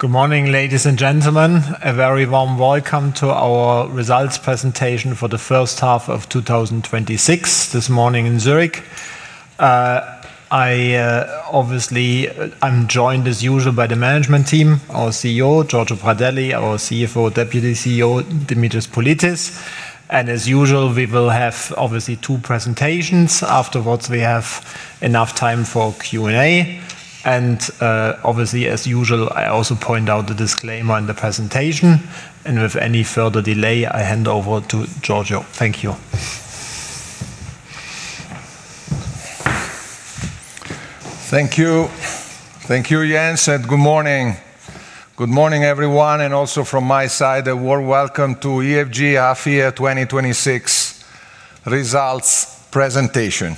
Good morning, ladies and gentlemen. A very warm welcome to our Results Presentation for the First Half of 2026 this morning in Zurich. I'm joined as usual by the management team, our CEO, Giorgio Pradelli, our CFO, Deputy CEO, Dimitris Politis, and as usual, we will have obviously two presentations. Afterwards, we have enough time for Q&A, and obviously, as usual, I also point out the disclaimer in the presentation. Without any further delay, I hand over to Giorgio. Thank you. Thank you. Thank you, Jens. Good morning. Good morning, everyone, and also from my side, a warm welcome to EFG half year 2026 results presentation.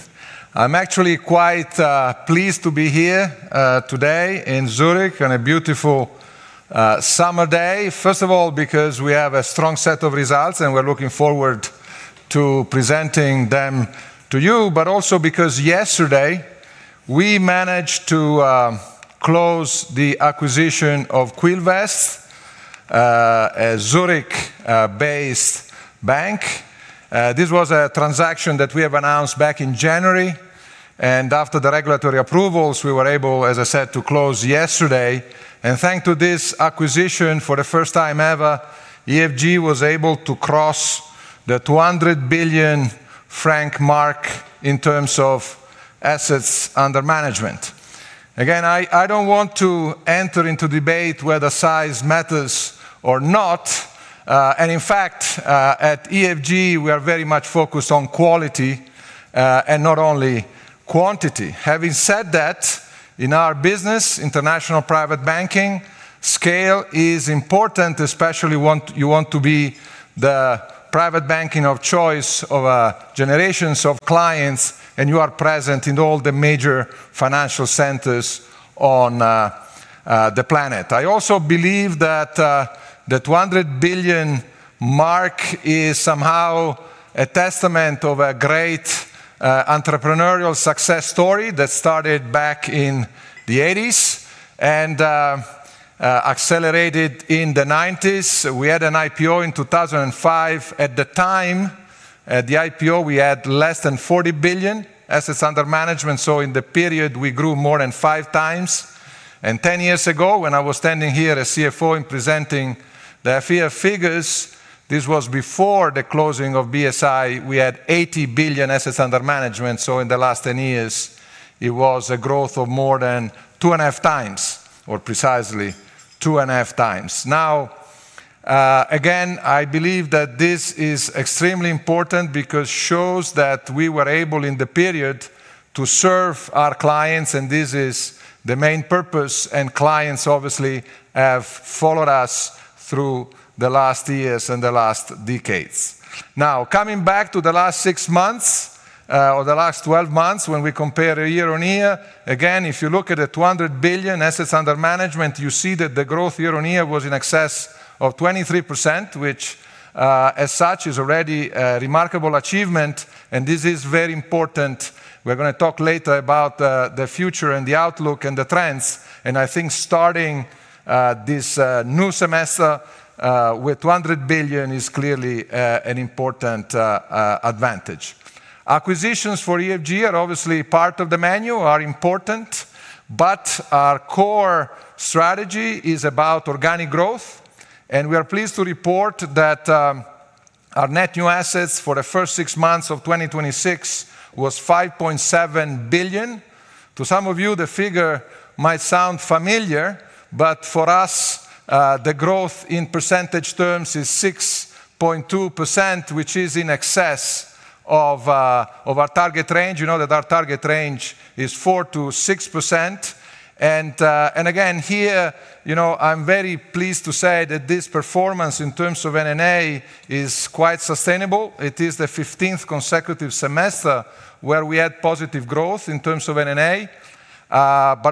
I'm actually quite pleased to be here today in Zurich on a beautiful summer day. First of all, because we have a strong set of results, and we're looking forward to presenting them to you, but also because yesterday we managed to close the acquisition of Quilvest, a Zurich-based bank. This was a transaction that we have announced back in January, and after the regulatory approvals, we were able, as I said, to close yesterday. Thanks to this acquisition, for the first time ever, EFG was able to cross the 200 billion franc mark in terms of Assets under Management. Again, I don't want to enter into debate whether size matters or not. In fact, at EFG we are very much focused on quality, not only quantity. Having said that, in our business, international private banking, scale is important, especially you want to be the private banking of choice of generations of clients, and you are present in all the major financial centers on the planet. I also believe that the 200 billion mark is somehow a testament of a great entrepreneurial success story that started back in the 1980s and accelerated in the 1990s. We had an IPO in 2005. At the time, at the IPO, we had less than 40 billion Assets under Management, so in the period we grew more than 5x. 10 years ago, when I was standing here as CFO and presenting the half year figures, this was before the closing of BSI, we had 80 billion Assets under Management. In the last 10 years, it was a growth of more than 2.5x, or precisely 2.5x. Again, I believe that this is extremely important because it shows that we were able, in the period, to serve our clients, and this is the main purpose, and clients obviously have followed us through the last years and the last decades. Coming back to the last six months, or the last 12 months, when we compare a year-on-year, again, if you look at the 200 billion Assets under Management, you see that the growth year-on-year was in excess of 23%, which, as such, is already a remarkable achievement, and this is very important. We're going to talk later about the future and the outlook and the trends, I think starting this new semester with 200 billion is clearly an important advantage. Acquisitions for EFG are obviously part of the menu, are important, our core strategy is about organic growth, we are pleased to report that our net new assets for the first six months of 2026 was 5.7 billion. To some of you, the figure might sound familiar, for us, the growth in percentage terms is 6.2%, which is in excess of our target range. You know that our target range is 4%-6%. Again, here, I'm very pleased to say that this performance in terms of NNA is quite sustainable. It is the 15th consecutive semester where we had positive growth in terms of NNA.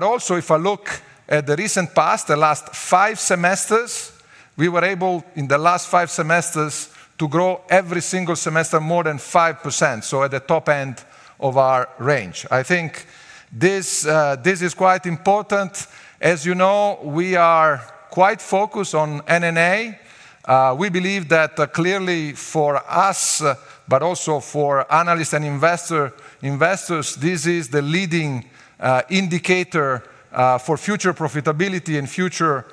Also, if I look at the recent past, the last five semesters, we were able, in the last five semesters, to grow every single semester more than 5%, so at the top end of our range. I think this is quite important. As you know, we are quite focused on NNA. We believe that clearly for us, also for analysts and investors, this is the leading indicator for future profitability and future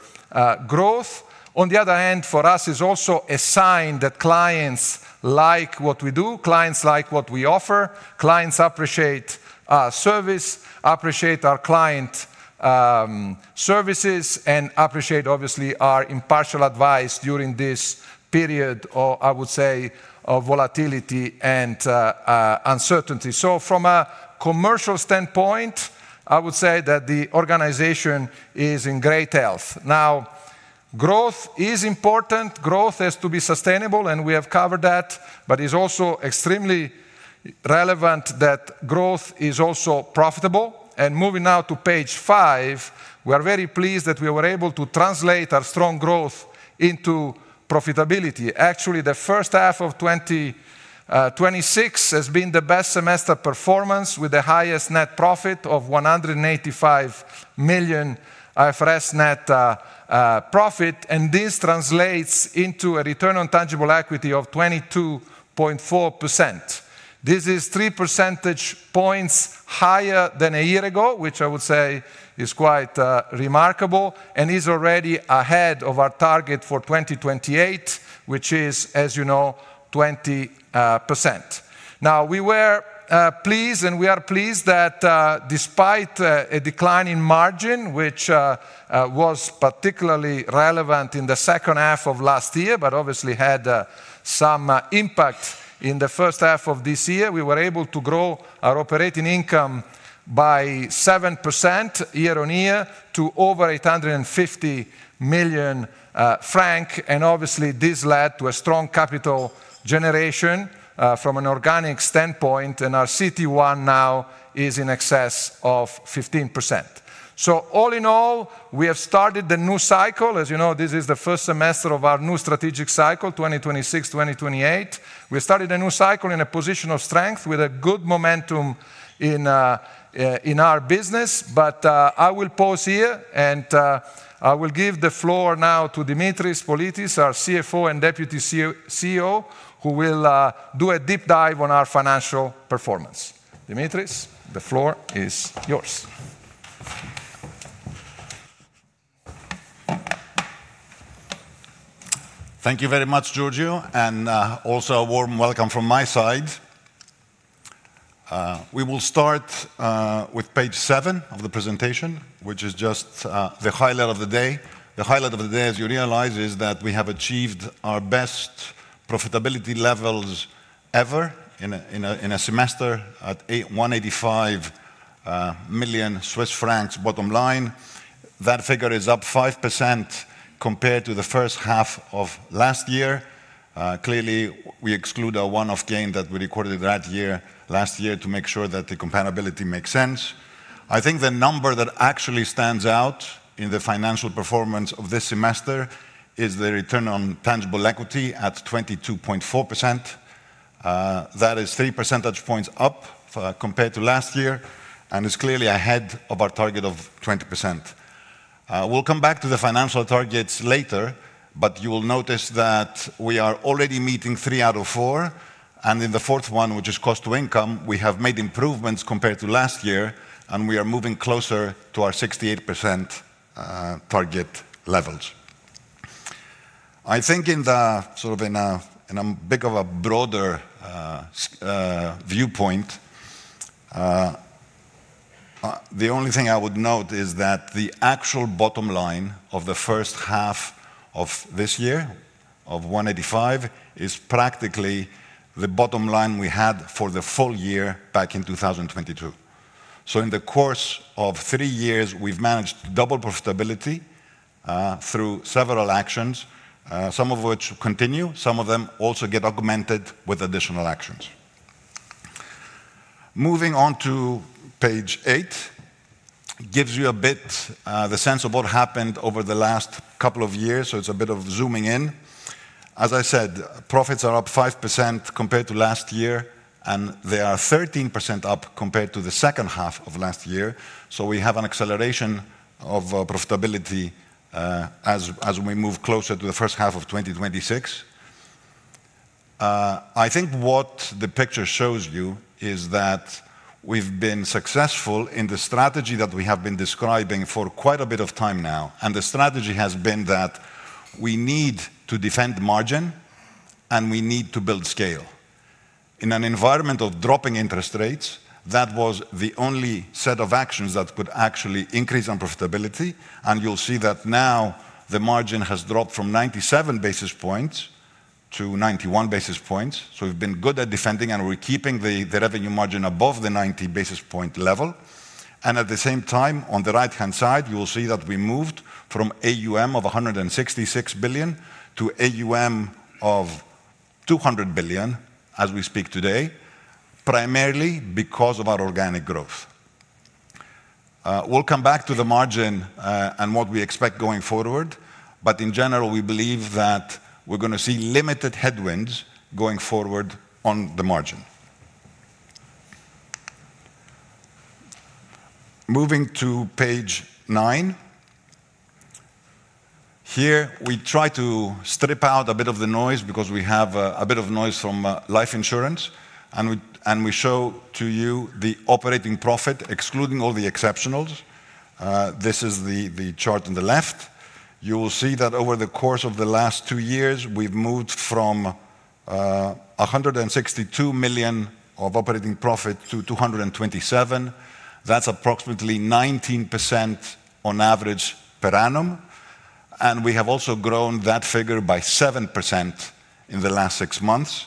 growth. On the other hand, for us, it's also a sign that clients like what we do, clients like what we offer, clients appreciate our service, appreciate our client services, appreciate, obviously, our impartial advice during this period, or I would say, of volatility and uncertainty. From a commercial standpoint, I would say that the organization is in great health. Now, growth is important. Growth has to be sustainable, we have covered that, it's also extremely relevant that growth is also profitable. Moving now to page five, we are very pleased that we were able to translate our strong growth into profitability. Actually, the first half of 2026 has been the best semester performance with the highest net profit of 185 million IFRS net profit, this translates into a return on tangible equity of 22.4%. This is 3 percentage points higher than a year ago, which I would say is quite remarkable and is already ahead of our target for 2028, which is, as you know, 20%. Now, we were pleased and we are pleased that despite a decline in margin, which was particularly relevant in the second half of last year obviously had some impact in the first half of this year, we were able to grow our operating income by 7% year-on-year to over 850 million francs. Obviously this led to a strong capital generation, from an organic standpoint, our CET1 now is in excess of 15%. All in all, we have started the new cycle. As you know, this is the first semester of our new strategic cycle, 2026, 2028. We started a new cycle in a position of strength with a good momentum in our business. I will pause here and I will give the floor now to Dimitris Politis, our CFO and Deputy CEO, who will do a deep dive on our financial performance. Dimitris, the floor is yours. Thank you very much, Giorgio. Also a warm welcome from my side. We will start with page seven of the presentation, which is just the highlight of the day. The highlight of the day, as you realize, is that we have achieved our best profitability levels ever in a semester at 185 million Swiss francs bottom line. That figure is up 5% compared to the first half of last year. Clearly, we exclude a one-off gain that we recorded last year to make sure that the comparability makes sense. I think the number that actually stands out in the financial performance of this semester is the return on tangible equity at 22.4%. That is 3 percentage points up compared to last year and is clearly ahead of our target of 20%. We'll come back to the financial targets later. You will notice that we are already meeting three out of four, and in the fourth one, which is cost to income, we have made improvements compared to last year, and we are moving closer to our 68% target levels. I think in the sort of a broader viewpoint, the only thing I would note is that the actual bottom line of the first half of this year of 185 million is practically the bottom line we had for the full year back in 2022. In the course of three years, we've managed to double profitability through several actions, some of which continue. Some of them also get augmented with additional actions. Moving on to page eight, gives you a bit the sense of what happened over the last couple of years. It's a bit of zooming in. As I said, profits are up 5% compared to last year. They are 13% up compared to the second half of last year. We have an acceleration of profitability as we move closer to the first half of 2026. I think what the picture shows you is that we've been successful in the strategy that we have been describing for quite a bit of time now. The strategy has been that we need to defend margin. We need to build scale. In an environment of dropping interest rates, that was the only set of actions that could actually increase our profitability. You'll see that now the margin has dropped from 97 basis points to 91 basis points. We've been good at defending, and we're keeping the revenue margin above the 90 basis point level. At the same time, on the right-hand side, you will see that we moved from AuM of 166 billion to AuM of 200 billion as we speak today, primarily because of our organic growth. We'll come back to the margin, and what we expect going forward. In general, we believe that we're going to see limited headwinds going forward on the margin. Moving to page nine. Here we try to strip out a bit of the noise because we have a bit of noise from life insurance. We show to you the operating profit excluding all the exceptionals. This is the chart on the left. You will see that over the course of the last two years, we've moved from 162 million of operating profit to 227 million. That's approximately 19% on average per annum. We have also grown that figure by 7% in the last six months,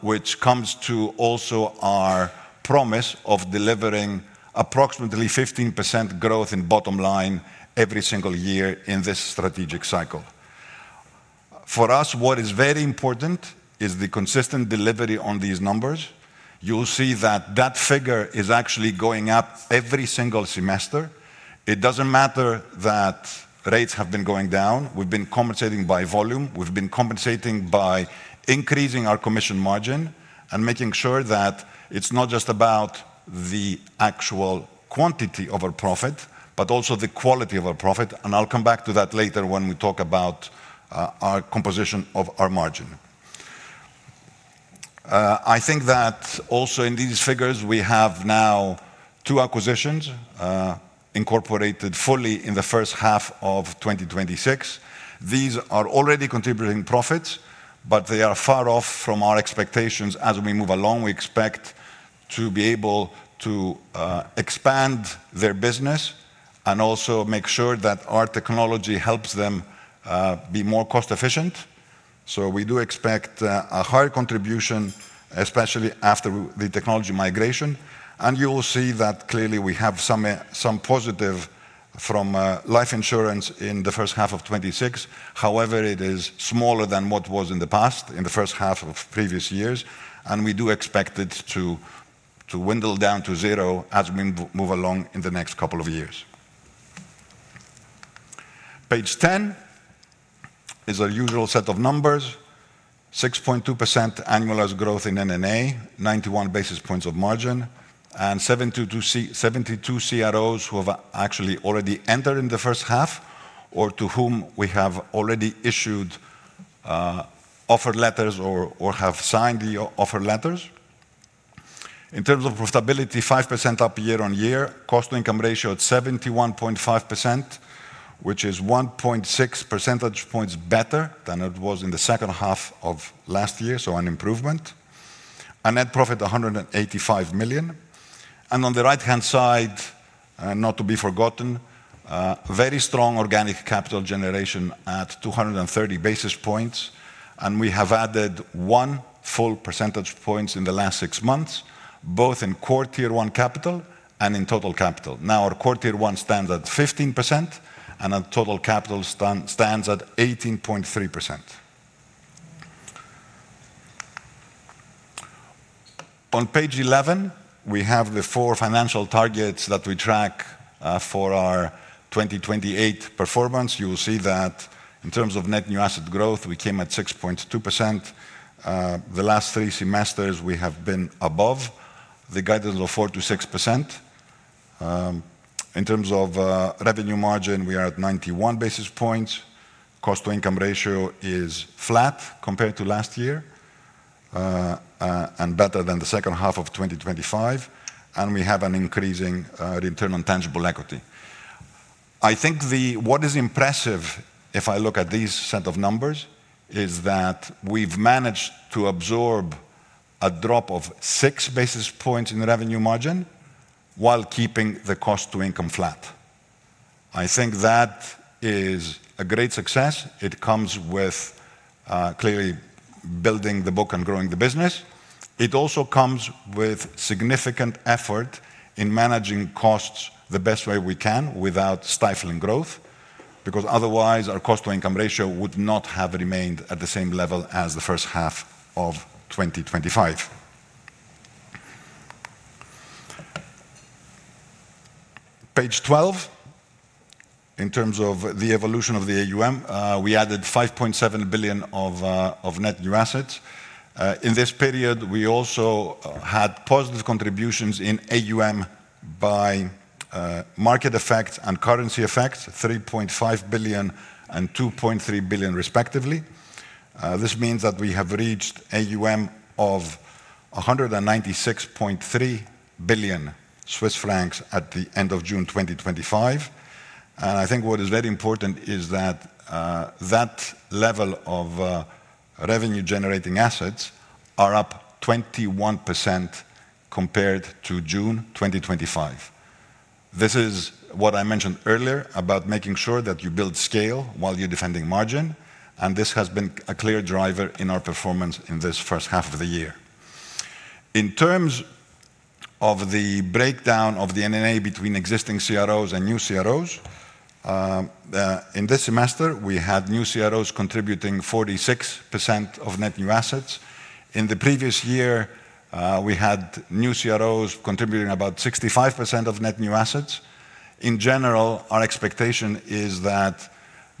which comes to also our promise of delivering approximately 15% growth in bottom line every single year in this strategic cycle. For us, what is very important is the consistent delivery on these numbers. You'll see that that figure is actually going up every single semester. It doesn't matter that rates have been going down. We've been compensating by volume. We've been compensating by increasing our commission margin. Making sure that it's not just about the actual quantity of our profit, but also the quality of our profit. I'll come back to that later when we talk about our composition of our margin. I think that in these figures, we have now two acquisitions incorporated fully in the first half of 2026. These are already contributing profits. They are far off from our expectations. As we move along, we expect to be able to expand their business and also make sure that our technology helps them be more cost-efficient. We do expect a higher contribution, especially after the technology migration. You will see that clearly we have some positive from life insurance in the first half of 2026. However, it is smaller than what was in the past, in the first half of previous years. We do expect it to window down to zero as we move along in the next couple of years. Page 10 is our usual set of numbers, 6.2% annualized growth in NNA, 91 basis points of margin. 72 CROs who have actually already entered in the first half, or to whom we have already issued offer letters or have signed the offer letters. In terms of profitability, 5% up year-on-year. Cost-to-income ratio at 71.5%, which is 1.6 percentage points better than it was in the second half of last year, so an improvement. A net profit, 185 million. On the right-hand side, not to be forgotten, very strong organic capital generation at 230 basis points. We have added 1 full percentage point in the last six months, both in Core Tier 1 capital and in total capital. Now our Core Tier 1 stands at 15%. Our total capital stands at 18.3%. On page 11, we have the four financial targets that we track for our 2028 performance. You will see that in terms of net new asset growth, we came at 6.2%. The last three semesters, we have been above the guidance of 4%-6%. In terms of revenue margin, we are at 91 basis points. Cost-to-income ratio is flat compared to last year, and better than the second half of 2025, and we have an increasing return on tangible equity. I think what is impressive, if I look at these set of numbers, is that we've managed to absorb a drop of 6 basis points in the revenue margin while keeping the Cost-to-income flat. I think that is a great success. It comes with clearly building the book and growing the business. It also comes with significant effort in managing costs the best way we can without stifling growth, because otherwise our Cost-to-income ratio would not have remained at the same level as the first half of 2025. Page 12. In terms of the evolution of the AuM, we added 5.7 billion of net new assets. In this period, we also had positive contributions in AuM by market effects and currency effects, 3.5 billion and 2.3 billion respectively. This means that we have reached AuM of 196.3 billion Swiss francs at the end of June 2025. I think what is very important is that that level of revenue-generating assets are up 21% compared to June 2025. This is what I mentioned earlier about making sure that you build scale while you're defending margin, and this has been a clear driver in our performance in this first half of the year. In terms of the breakdown of the NNA between existing CROs and new CROs, in this semester, we had new CROs contributing 46% of net new assets. In the previous year, we had new CROs contributing about 65% of net new assets. In general, our expectation is that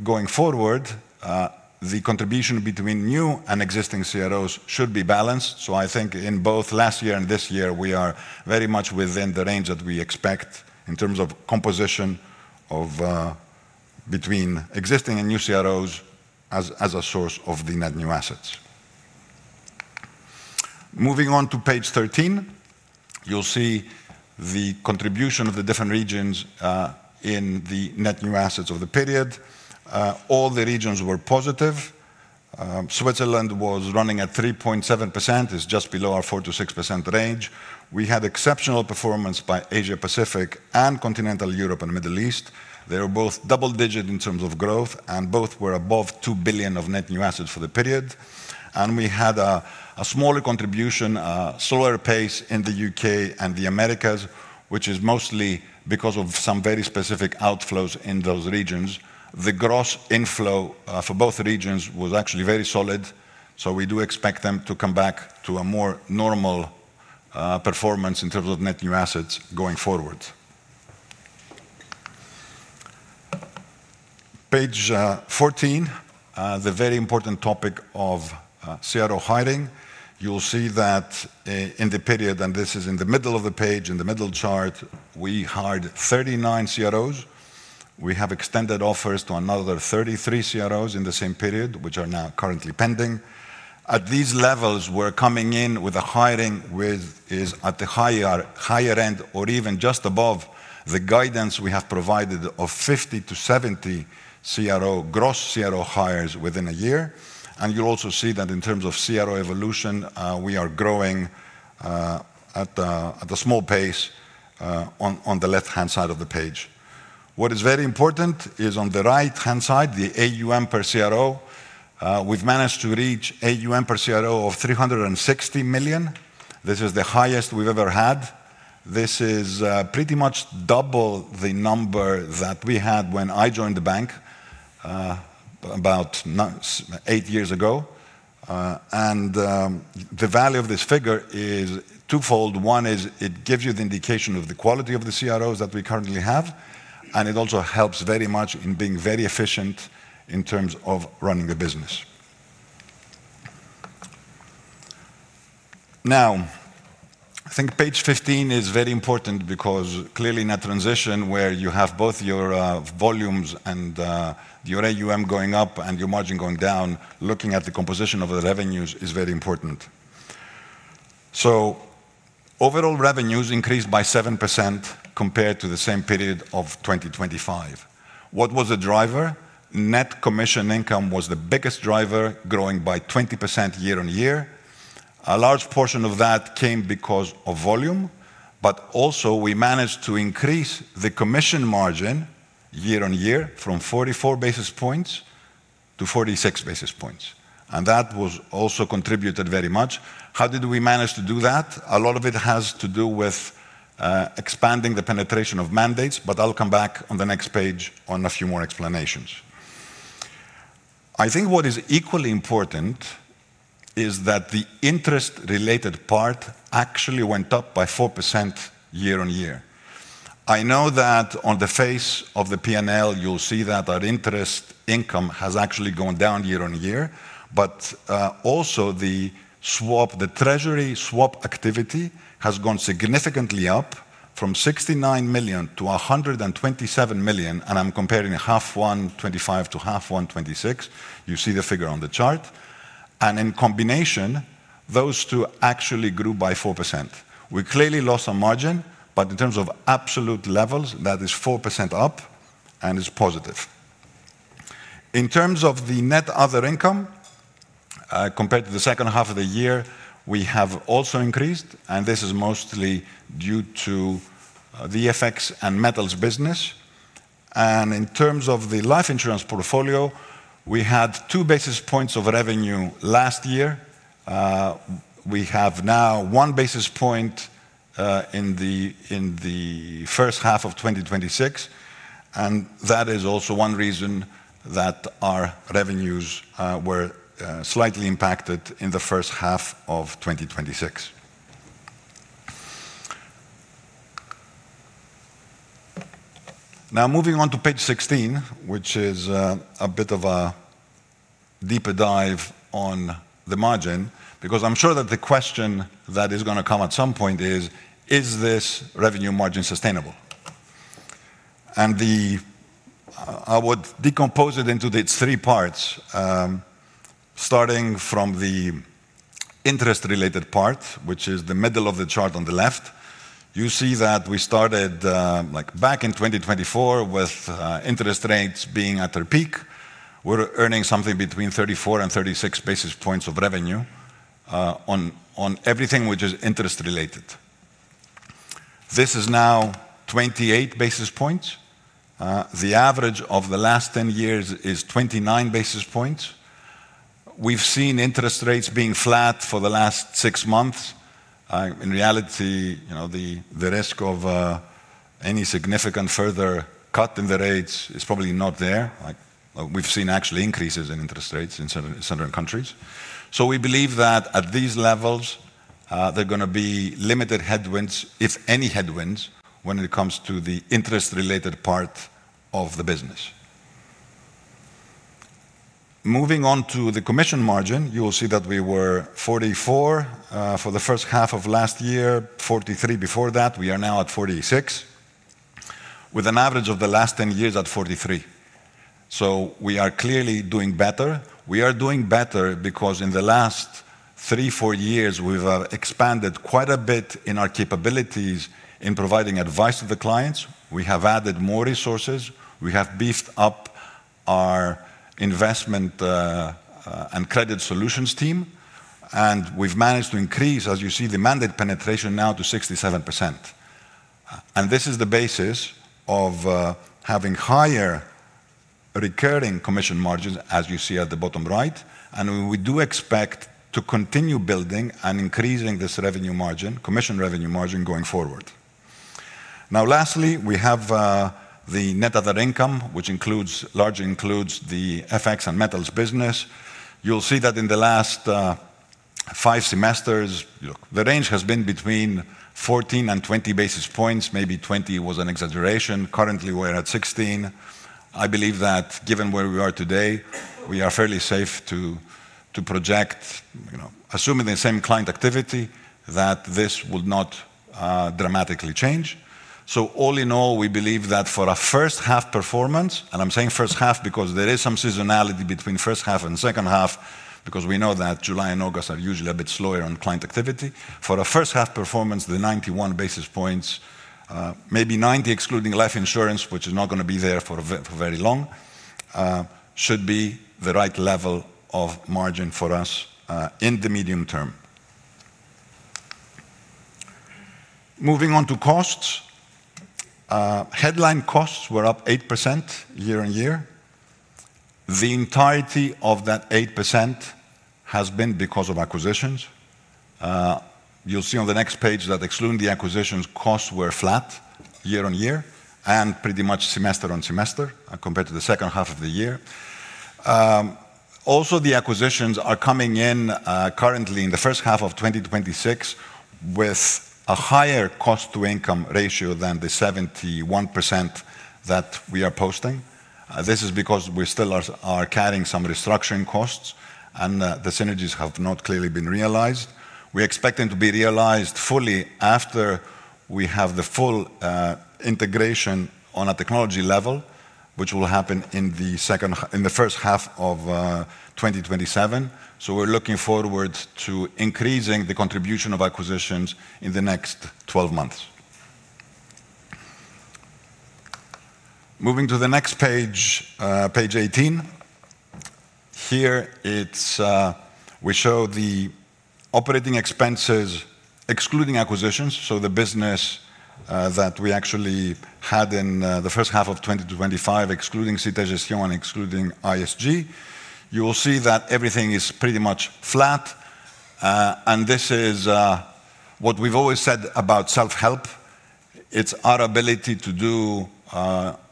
going forward, the contribution between new and existing CROs should be balanced. I think in both last year and this year, we are very much within the range that we expect in terms of composition between existing and new CROs as a source of the net new assets. Moving on to page 13, you'll see the contribution of the different regions in the net new assets of the period. All the regions were positive. Switzerland was running at 3.7%, is just below our 4%-6% range. We had exceptional performance by Asia-Pacific and Continental Europe and the Middle East. They were both double digit in terms of growth, and both were above 2 billion of net new assets for the period. We had a smaller contribution, a slower pace in the U.K. and the Americas. Which is mostly because of some very specific outflows in those regions. The gross inflow for both regions was actually very solid, we do expect them to come back to a more normal performance in terms of net new assets going forward. Page 14, the very important topic of CRO hiring. You'll see that in the period, and this is in the middle of the page, in the middle chart, we hired 39 CROs. We have extended offers to another 33 CROs in the same period, which are now currently pending. At these levels, we are coming in with a hiring which is at the higher end or even just above the guidance we have provided of 50-70 gross CRO hires within a year. You will also see that in terms of CRO evolution, we are growing at a small pace on the left-hand side of the page. What is very important is on the right-hand side, the AuM per CRO. We have managed to reach AuM per CRO of 360 million. This is the highest we have ever had. This is pretty much double the number that we had when I joined the bank about eight years ago. The value of this figure is twofold. One is it gives you the indication of the quality of the CROs that we currently have, and it also helps very much in being very efficient in terms of running a business. I think page 15 is very important because clearly in a transition where you have both your volumes and your AuM going up and your margin going down, looking at the composition of the revenues is very important. Overall revenues increased by 7% compared to the same period of 2025. What was the driver? Net commission income was the biggest driver, growing by 20% year-on-year. A large portion of that came because of volume, but also we managed to increase the commission margin year-on-year from 44 basis points-46 basis points, and that also contributed very much. How did we manage to do that? A lot of it has to do with expanding the penetration of mandates. I will come back on the next page on a few more explanations. I think what is equally important is that the interest-related part actually went up by 4% year-on-year. I know that on the face of the P&L, you will see that our interest income has actually gone down year-on-year. Also the treasury swap activity has gone significantly up from 69 million-127 million, and I am comparing half one 2025 to half one 2026. You see the figure on the chart. In combination, those two actually grew by 4%. We clearly lost on margin, but in terms of absolute levels, that is 4% up and is positive. In terms of the net other income compared to the second half of the year, we have also increased, and this is mostly due to the FX and metals business. In terms of the life insurance portfolio, we had 2 basis points of revenue last year. We have now 1 basis point in the first half of 2026, and that is also one reason that our revenues were slightly impacted in the first half of 2026. Moving on to page 16, which is a bit of a deeper dive on the margin, because I am sure that the question that is going to come at some point is this revenue margin sustainable? I would decompose it into these three parts, starting from the interest-related part, which is the middle of the chart on the left. You see that we started back in 2024 with interest rates being at their peak. We are earning something between 34-36 basis points of revenue on everything which is interest related. This is now 28 basis points. The average of the last 10 years is 29 basis points. We have seen interest rates being flat for the last six months. In reality, the risk of any significant further cut in the rates is probably not there. We've seen actually increases in interest rates in certain countries. We believe that at these levels, there are going to be limited headwinds, if any headwinds, when it comes to the interest-related part of the business. Moving on to the commission margin, you will see that we were 44 for the first half of last year, 43 before that. We are now at 46 with an average of the last 10 years at 43. We are clearly doing better. We are doing better because in the last three, four years, we've expanded quite a bit in our capabilities in providing advice to the clients. We have added more resources. We have beefed up our investment and credit solutions team, and we've managed to increase, as you see, the mandate penetration now to 67%. This is the basis of having higher recurring commission margins, as you see at the bottom right, and we do expect to continue building and increasing this commission revenue margin going forward. Lastly, we have the net other income, which largely includes the FX and metals business. You'll see that in the last five semesters, the range has been between 14 and 20 basis points. Maybe 20 was an exaggeration. Currently, we're at 16. I believe that given where we are today, we are fairly safe to project, assuming the same client activity, that this will not dramatically change. All in all, we believe that for a first half performance, and I'm saying first half because there is some seasonality between first half and second half because we know that July and August are usually a bit slower on client activity. For a first half performance, the 91 basis points, maybe 90 excluding life insurance, which is not going to be there for very long, should be the right level of margin for us in the medium term. Moving on to costs. Headline costs were up 8% year-on-year. The entirety of that 8% has been because of acquisitions. You'll see on the next page that excluding the acquisitions, costs were flat year-on-year and pretty much semester-on-semester compared to the second half of the year. The acquisitions are coming in currently in the first half of 2026 with a higher cost-to-income ratio than the 71% that we are posting. This is because we still are carrying some restructuring costs, and the synergies have not clearly been realized. We're expecting to be realized fully after we have the full integration on a technology level, which will happen in the first half of 2027. We're looking forward to increasing the contribution of acquisitions in the next 12 months. Moving to the next page 18. Here, we show the operating expenses, excluding acquisitions, the business that we actually had in the first half of 2025, excluding Cité Gestion and excluding ISG. You will see that everything is pretty much flat. This is what we've always said about self-help. It's our ability to do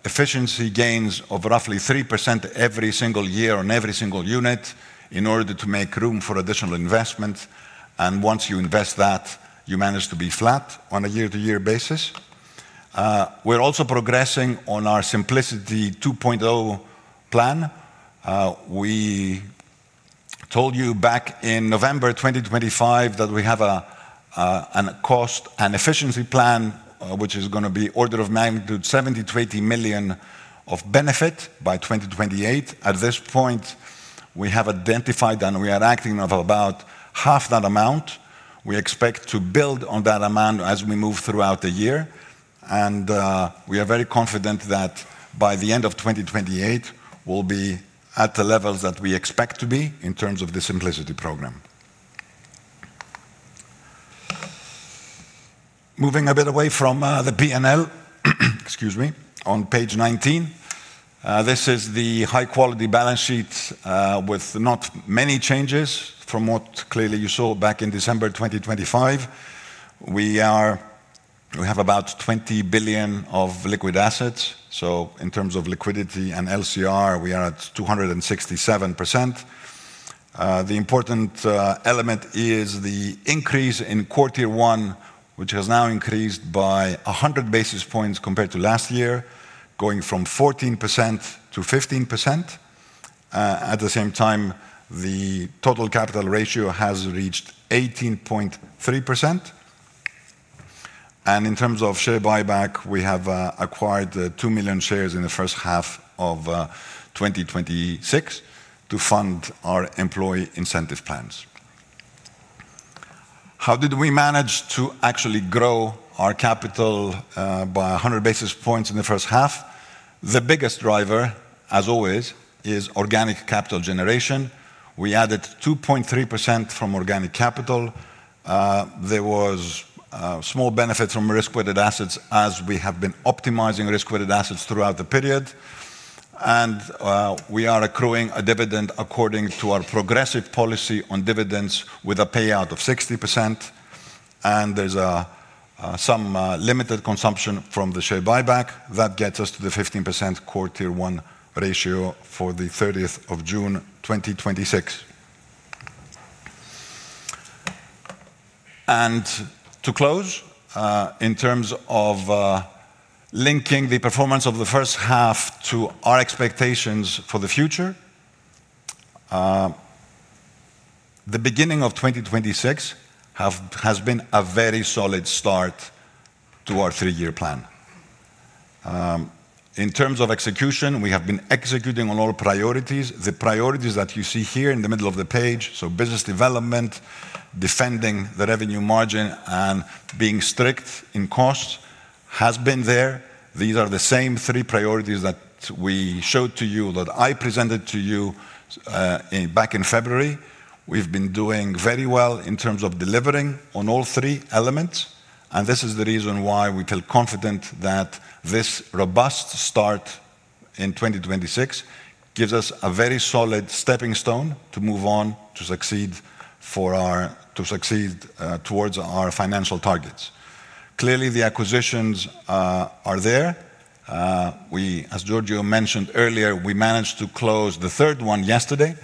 efficiency gains of roughly 3% every single year on every single unit in order to make room for additional investment. Once you invest that, you manage to be flat on a year-to-year basis. We're also progressing on our Simplicity 2.0 plan. We told you back in November 2025 that we have a cost and efficiency plan, which is going to be order of magnitude 70 million to 80 million of benefit by 2028. At this point, we have identified and we are acting on about half that amount. We expect to build on that amount as we move throughout the year. We are very confident that by the end of 2028, we'll be at the levels that we expect to be in terms of the Simplicity program. Moving a bit away from the P&L on page 19. This is the high-quality balance sheet with not many changes from what clearly you saw back in December 2025. We have about 20 billion of liquid assets. In terms of liquidity and LCR, we are at 267%. The important element is the increase in core Tier 1, which has now increased by 100 basis points compared to last year, going from 14%-15%. At the same time, the total capital ratio has reached 18.3%. In terms of share buyback, we have acquired 2 million shares in the first half of 2026 to fund our employee incentive plans. How did we manage to actually grow our capital by 100 basis points in the first half? The biggest driver, as always, is organic capital generation. We added 2.3% from organic capital. There was a small benefit from risk-weighted assets as we have been optimizing risk-weighted assets throughout the period. We are accruing a dividend according to our progressive policy on dividends with a payout of 60%. There's some limited consumption from the share buyback that gets us to the 15% core Tier 1 ratio for the 30th of June 2026. To close, in terms of linking the performance of the first half to our expectations for the future, the beginning of 2026 has been a very solid start to our three-year plan. In terms of execution, we have been executing on all priorities. The priorities that you see here in the middle of the page, so business development, defending the revenue margin, and being strict in cost, has been there. These are the same three priorities that we showed to you, that I presented to you back in February. We've been doing very well in terms of delivering on all three elements. This is the reason why we feel confident that this robust start in 2026 gives us a very solid stepping stone to move on to succeed towards our financial targets. Clearly, the acquisitions are there. As Giorgio mentioned earlier, we managed to close the third one yesterday.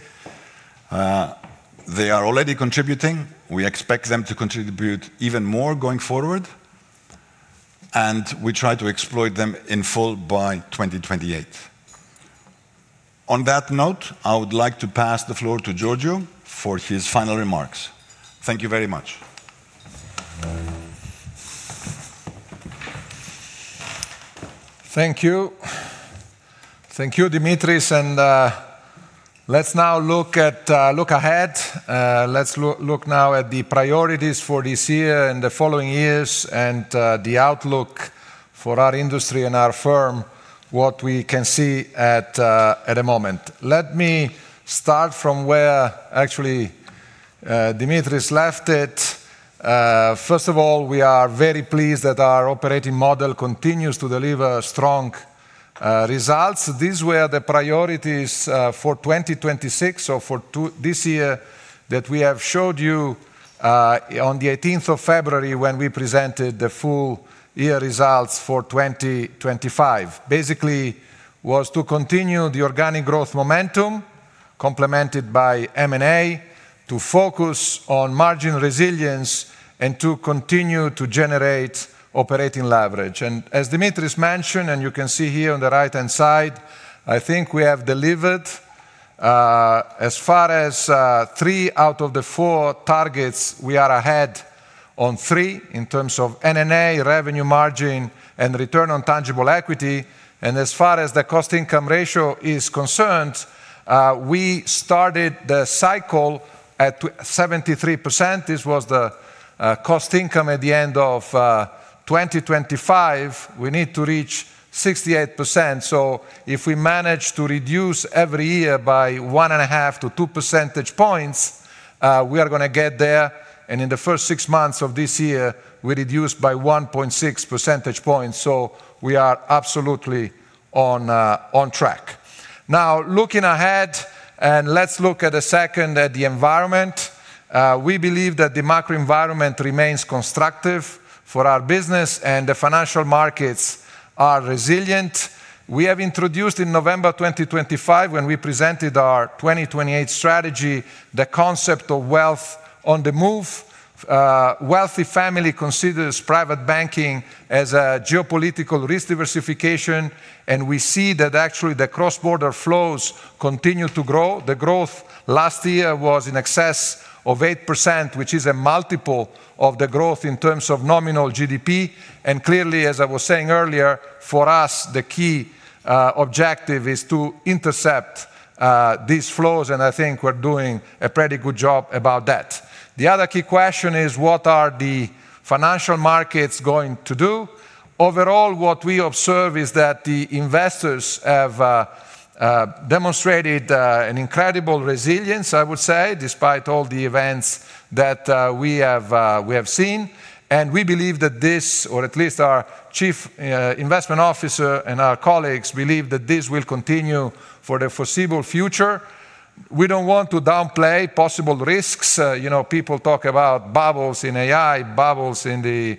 They are already contributing. We expect them to contribute even more going forward, and we try to exploit them in full by 2028. On that note, I would like to pass the floor to Giorgio for his final remarks. Thank you very much. Thank you. Thank you, Dimitris. Let's now look ahead. Let's look now at the priorities for this year and the following years and the outlook for our industry and our firm, what we can see at the moment. Let me start from where actually Dimitris left it. First of all, we are very pleased that our operating model continues to deliver strong results. These were the priorities for 2026, so for this year that we have showed you on the 18th of February when we presented the full year results for 2025. Basically, was to continue the organic growth momentum complemented by M&A, to focus on margin resilience, and to continue to generate operating leverage. As Dimitris mentioned, and you can see here on the right-hand side, I think we have delivered. As far as three out of the four targets, we are ahead on three in terms of NNA, revenue margin, and return on tangible equity. As far as the cost income ratio is concerned, we started the cycle at 73%. This was the cost income at the end of 2025. We need to reach 68%. If we manage to reduce every year by 1.5 to 2 percentage points, we are going to get there. In the first six months of this year, we reduced by 1.6 percentage points, so we are absolutely on track. Now, looking ahead and let's look a second at the environment. We believe that the macro environment remains constructive for our business and the financial markets are resilient. We have introduced in November 2025, when we presented our 2028 strategy, the concept of wealth on the move. Wealthy family considers private banking as a geopolitical risk diversification, we see that actually the cross-border flows continue to grow. The growth last year was in excess of 8%, which is a multiple of the growth in terms of nominal GDP. Clearly, as I was saying earlier, for us, the key objective is to intercept these flows, and I think we're doing a pretty good job about that. The other key question is what are the financial markets going to do? Overall, what we observe is that the investors have demonstrated an incredible resilience, I would say, despite all the events that we have seen. We believe that this, or at least our Chief Investment Officer and our colleagues believe that this will continue for the foreseeable future. We don't want to downplay possible risks. People talk about bubbles in AI, bubbles in the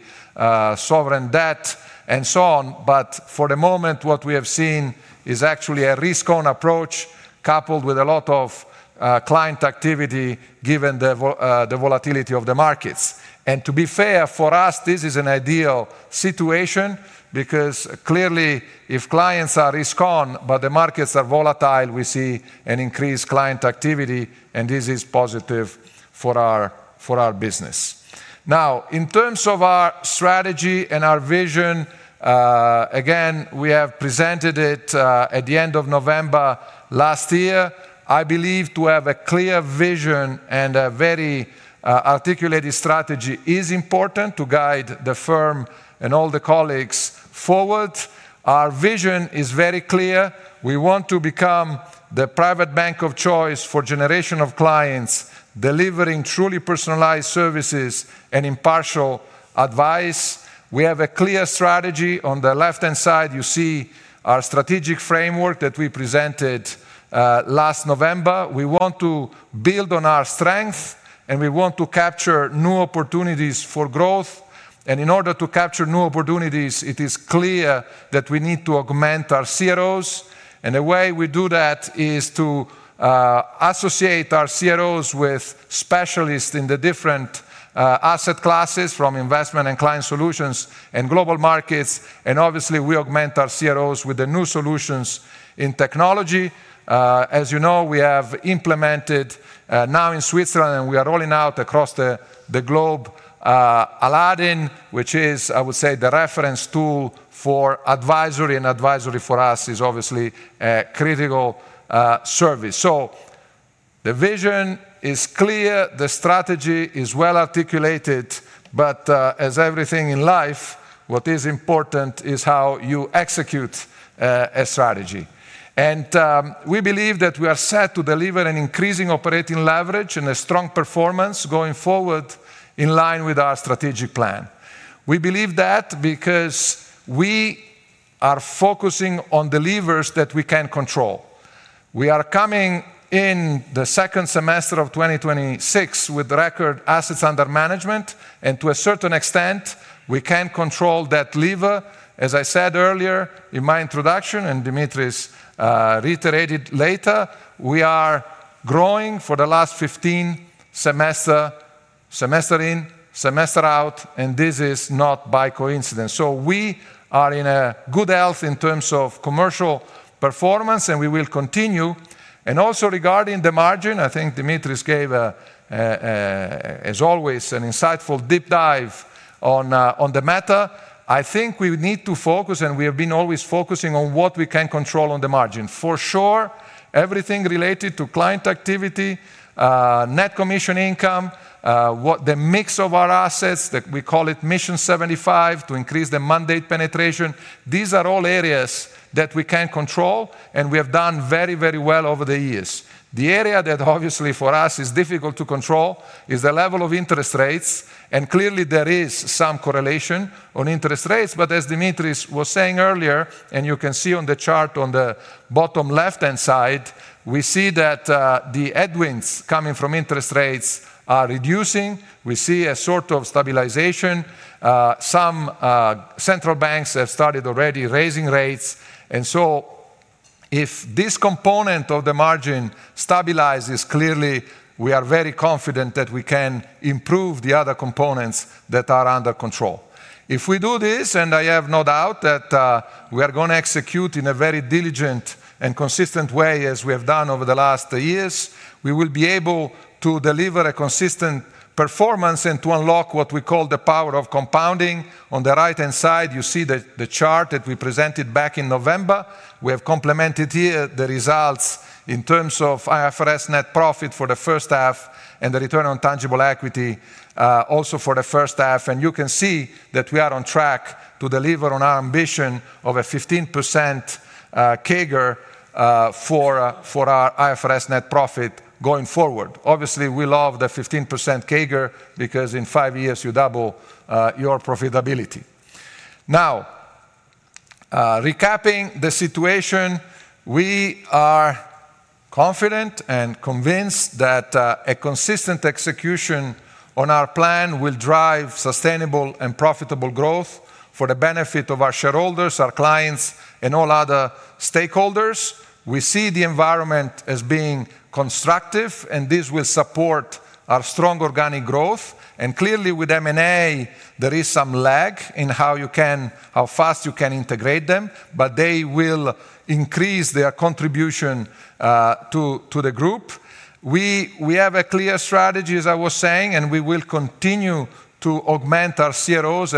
sovereign debt, and so on. For the moment, what we have seen is actually a risk-on approach, coupled with a lot of client activity given the volatility of the markets. To be fair for us, this is an ideal situation because clearly if clients are risk-on but the markets are volatile, we see an increased client activity, and this is positive for our business. Now, in terms of our strategy and our vision, again, we have presented it at the end of November last year. I believe to have a clear vision and a very articulated strategy is important to guide the firm and all the colleagues forward. Our vision is very clear. We want to become the private bank of choice for generation of clients, delivering truly personalized services and impartial advice. We have a clear strategy. On the left-hand side, you see our strategic framework that we presented last November. We want to build on our strength, and we want to capture new opportunities for growth. In order to capture new opportunities, it is clear that we need to augment our CROs. The way we do that is to associate our CROs with specialists in the different asset classes from investment and client solutions and global markets, and obviously, we augment our CROs with the new solutions in technology. As you know, we have implemented now in Switzerland, and we are rolling out across the globe Aladdin, which is, I would say, the reference tool for advisory. Advisory for us is obviously a critical service. The vision is clear, the strategy is well-articulated, but as everything in life, what is important is how you execute a strategy. We believe that we are set to deliver an increasing operating leverage and a strong performance going forward in line with our strategic plan. We believe that because we are focusing on the levers that we can control. We are coming in the second semester of 2026 with record Assets under Management, and to a certain extent, we can control that lever. As I said earlier in my introduction, and Dimitris reiterated later, we are growing for the last 15 semester in, semester out, and this is not by coincidence. We are in a good health in terms of commercial performance, and we will continue. Also regarding the margin, I think Dimitris gave, as always, an insightful deep dive on the matter. I think we need to focus, and we have been always focusing on what we can control on the margin. For sure, everything related to client activity, net commission income, the mix of our assets that we call it Mission 75 to increase the mandate penetration. These are all areas that we can control, and we have done very, very well over the years. The area that obviously for us is difficult to control is the level of interest rates, and clearly there is some correlation on interest rates. As Dimitris was saying earlier, and you can see on the chart on the bottom left-hand side, we see that the headwinds coming from interest rates are reducing. We see a sort of stabilization. Some central banks have started already raising rates. If this component of the margin stabilizes, clearly, we are very confident that we can improve the other components that are under control. If we do this, I have no doubt that we are going to execute in a very diligent and consistent way as we have done over the last years, we will be able to deliver a consistent performance and to unlock what we call the power of compounding. On the right-hand side, you see the chart that we presented back in November. We have complemented here the results in terms of IFRS net profit for the first half and the return on tangible equity, also for the first half. You can see that we are on track to deliver on our ambition of a 15% CAGR, for our IFRS net profit going forward. Obviously, we love the 15% CAGR because in five years you double your profitability. Now, recapping the situation, we are confident and convinced that a consistent execution on our plan will drive sustainable and profitable growth for the benefit of our shareholders, our clients, and all other stakeholders. We see the environment as being constructive, and this will support our strong organic growth. Clearly with M&A, there is some lag in how fast you can integrate them, but they will increase their contribution to the group. We have a clear strategy, as I was saying, and we will continue to augment our CROs,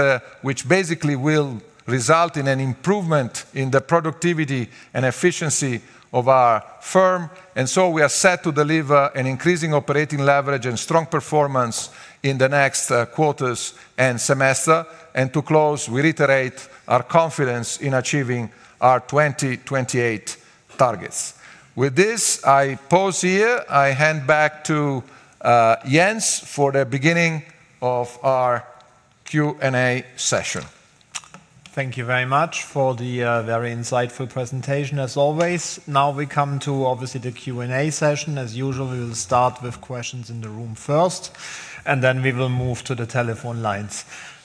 which basically will result in an improvement in the productivity and efficiency of our firm. We are set to deliver an increasing operating leverage and strong performance in the next quarters and semester. To close, we reiterate our confidence in achieving our 2028 targets. With this, I pause here. I hand back to Jens for the beginning of our Q&A session. Thank you very much for the very insightful presentation as always. We come to obviously the Q&A session. As usual, we will start with questions in the room first, and then we will move to the telephone lines.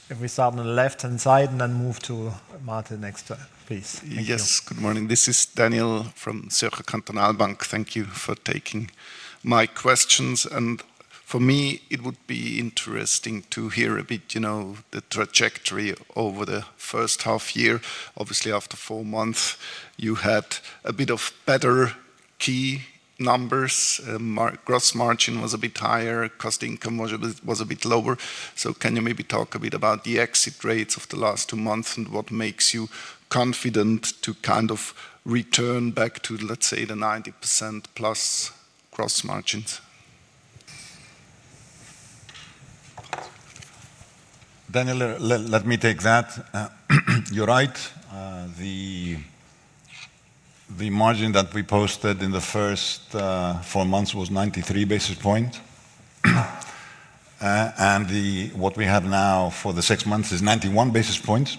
If we start on the left-hand side and then move to Mate next, please. Thank you. Yes. Good morning. This is Daniel from Zürcher Kantonalbank. Thank you for taking my questions. For me, it would be interesting to hear a bit the trajectory over the first half year. Obviously, after four months, you had a bit of better key numbers. Gross margin was a bit higher, cost income was a bit lower. Can you maybe talk a bit about the exit rates of the last two months and what makes you confident to kind of return back to, let's say, the 90%+ gross margins? Daniel, let me take that. You're right. The margin that we posted in the first four months was 93 basis points. What we have now for the six months is 91 basis points.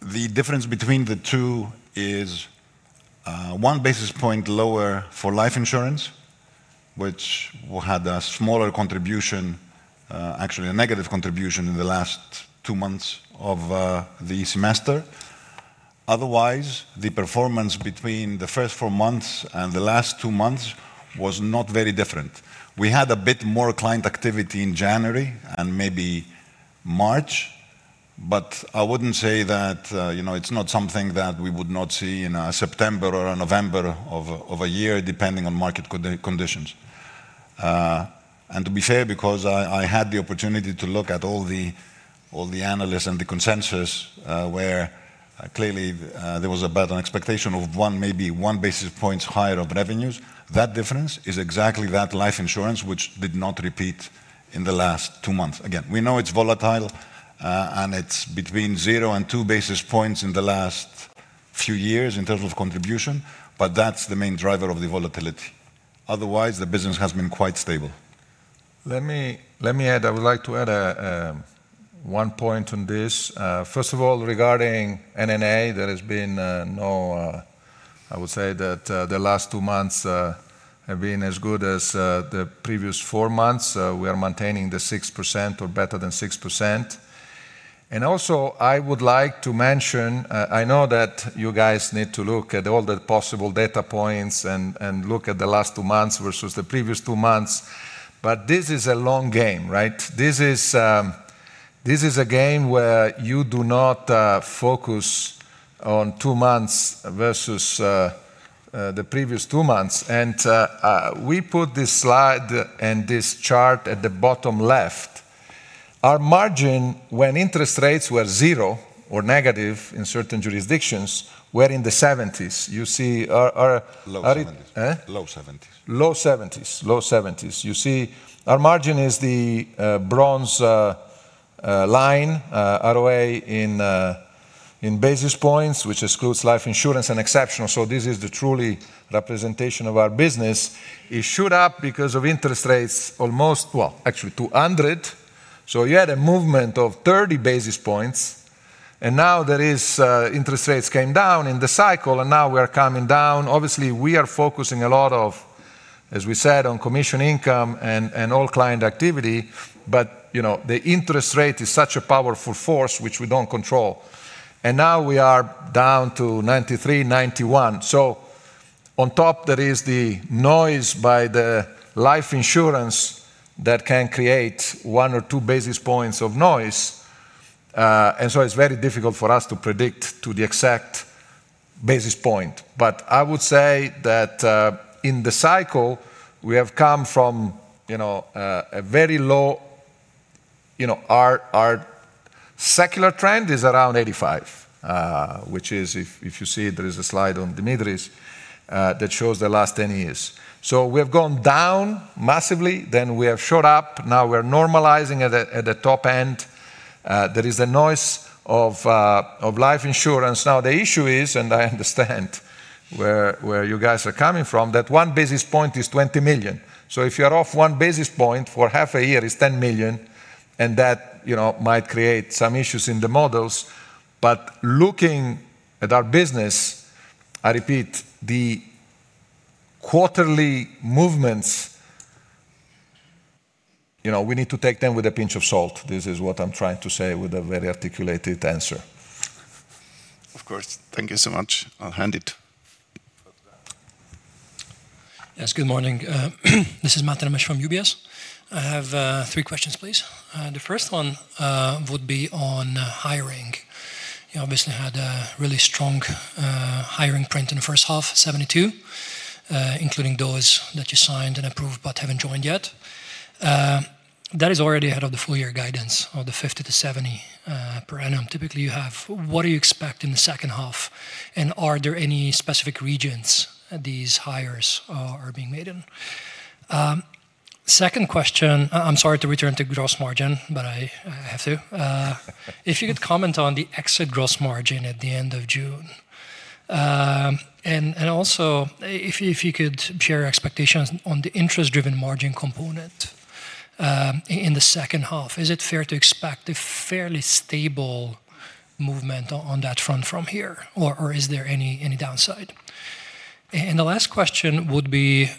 The difference between the two is 1 basis point lower for life insurance, which had a smaller contribution, actually a negative contribution in the last two months of the semester. Otherwise, the performance between the first four months and the last two months was not very different. We had a bit more client activity in January and maybe March, I wouldn't say that it's not something that we would not see in a September or a November of a year, depending on market conditions. To be fair, because I had the opportunity to look at all the analysts and the consensus where, clearly, there was about an expectation of maybe 1 basis point higher of revenues. That difference is exactly that life insurance, which did not repeat in the last two months. We know it's volatile, it's between zero and 2 basis points in the last few years in terms of contribution, but that's the main driver of the volatility. Otherwise, the business has been quite stable. Let me add. I would like to add one point on this. First of all, regarding NNA, I would say that the last two months have been as good as the previous four months. We are maintaining the 6% or better than 6%. I would like to mention, I know that you guys need to look at all the possible data points and look at the last two months versus the previous two months. This is a long game, right? This is a game where you do not focus on two months versus the previous two months. We put this slide and this chart at the bottom left. Our margin when interest rates were zero or negative in certain jurisdictions were in the 70s. You see our-- Low 70s. Low 70s. You see our margin is the bronze line, ROA, in basis points, which excludes life insurance and exceptional. This is the truly representation of our business. It shoot up because of interest rates almost Well, actually 200. You had a movement of 30 basis points, now there is interest rates came down in the cycle, and now we are coming down. Obviously, we are focusing a lot of, as we said, on commission income and all client activity, the interest rate is such a powerful force, which we don't control. Now we are down to 93, 91. On top, there is the noise by the life insurance that can create 1 or 2 basis points of noise. It's very difficult for us to predict to the exact basis point. I would say that, in the cycle, we have come from a very low, our secular trend is around 85, which is, if you see there is a slide on Dimitris that shows the last 10 years. We have gone down massively, we have shot up, now we're normalizing at the top end. There is a noise of life insurance. The issue is, I understand where you guys are coming from, that 1 basis point is 20 million. If you're off 1 basis point for half a year, it's 10 million, that might create some issues in the models. Looking at our business, I repeat, the quarterly movements, we need to take them with a pinch of salt. This is what I'm trying to say with a very articulated answer. Of course. Thank you so much. I'll hand it. Yes. Good morning. This is Mate Nemes from UBS. I have three questions, please. The first one would be on hiring. You obviously had a really strong hiring print in the first half, 72, including those that you signed and approved but haven't joined yet. That is already ahead of the full year guidance of the 50 to 70 per annum typically you have. What do you expect in the second half, and are there any specific regions that these hires are being made in? Second question. I'm sorry to return to gross margin, but I have to. If you could comment on the exit gross margin at the end of June. Also, if you could share expectations on the interest-driven margin component in the second half. Is it fair to expect a fairly stable movement on that front from here, or is there any downside? The last question would be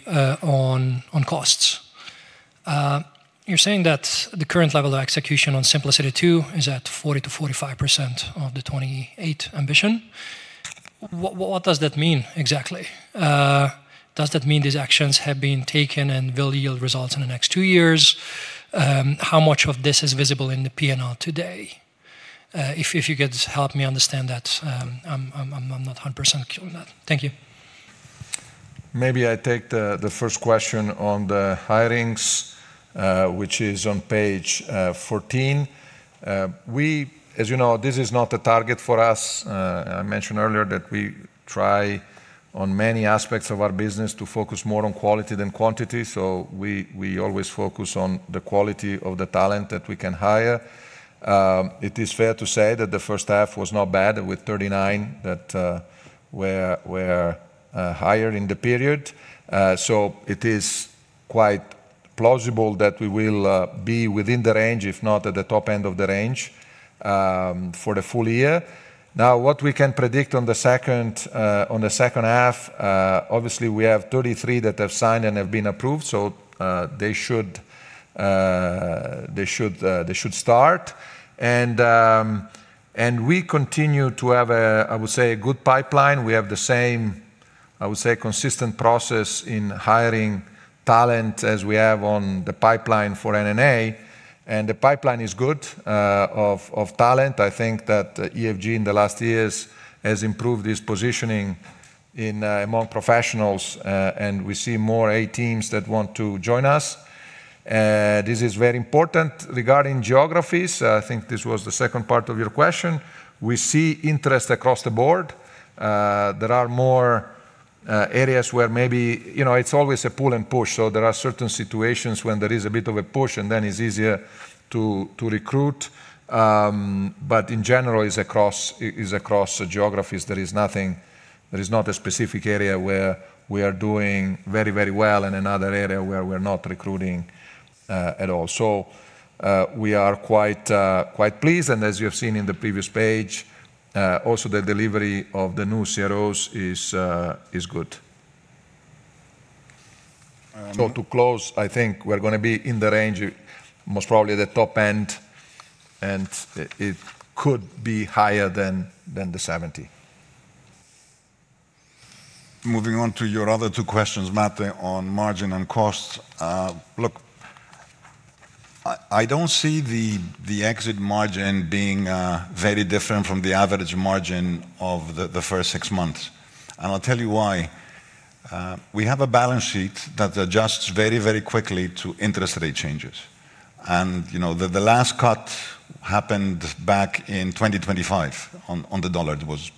on costs. You're saying that the current level of execution on Simplicity 2.0 is at 40%-45% of the 28 ambition. What does that mean exactly? Does that mean these actions have been taken and will yield results in the next two years? How much of this is visible in the P&L today? If you could help me understand that, I'm not 100% clear on that. Thank you. Maybe I take the first question on the hirings, which is on page 14. As you know, this is not a target for us. I mentioned earlier that we try on many aspects of our business to focus more on quality than quantity. We always focus on the quality of the talent that we can hire. It is fair to say that the first half was not bad with 39 that were hired in the period. It is quite plausible that we will be within the range, if not at the top end of the range, for the full year. Now, what we can predict on the second half, obviously we have 33 that have signed and have been approved, so they should start. We continue to have, I would say, a good pipeline. We have the same, I would say, consistent process in hiring talent as we have on the pipeline for NNA, and the pipeline is good of talent. I think that EFG, in the last years, has improved its positioning among professionals, and we see more A teams that want to join us. This is very important regarding geographies. I think this was the second part of your question. We see interest across the board. There are more areas where maybe it's always a pull and push, so there are certain situations when there is a bit of a push, and then it's easier to recruit. In general, it's across the geographies. There is not a specific area where we are doing very well, and another area where we're not recruiting at all. We are quite pleased, and as you have seen in the previous page, also the delivery of the new CROs is good. To close, I think we're going to be in the range, most probably the top end, and it could be higher than the 70. Moving on to your other two questions, Mate, on margin and costs. Look, I don't see the exit margin being very different from the average margin of the first six months. I'll tell you why. We have a balance sheet that adjusts very quickly to interest rate changes. The last cut happened back in 2025 on the dollar. It was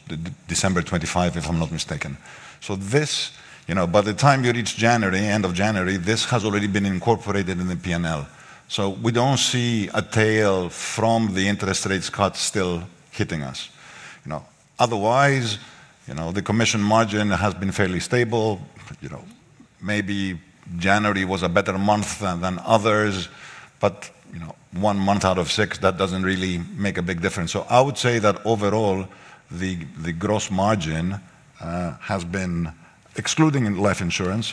December 25, if I'm not mistaken. By the time you reach end of January, this has already been incorporated in the P&L. We don't see a tail from the interest rates cut still hitting us. Otherwise, the commission margin has been fairly stable. Maybe January was a better month than others, but one month out of six, that doesn't really make a big difference. I would say that overall, the gross margin, excluding life insurance,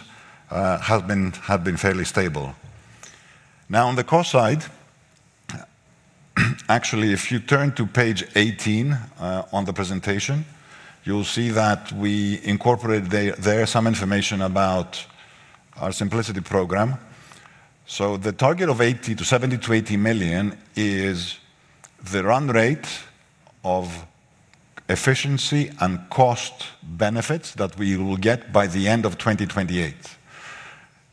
have been fairly stable. Now, on the cost side, actually, if you turn to page 18 on the presentation, you'll see that we incorporated there some information about our Simplicity program. The target of 70 million-80 million is the run rate of efficiency and cost benefits that we will get by the end of 2028.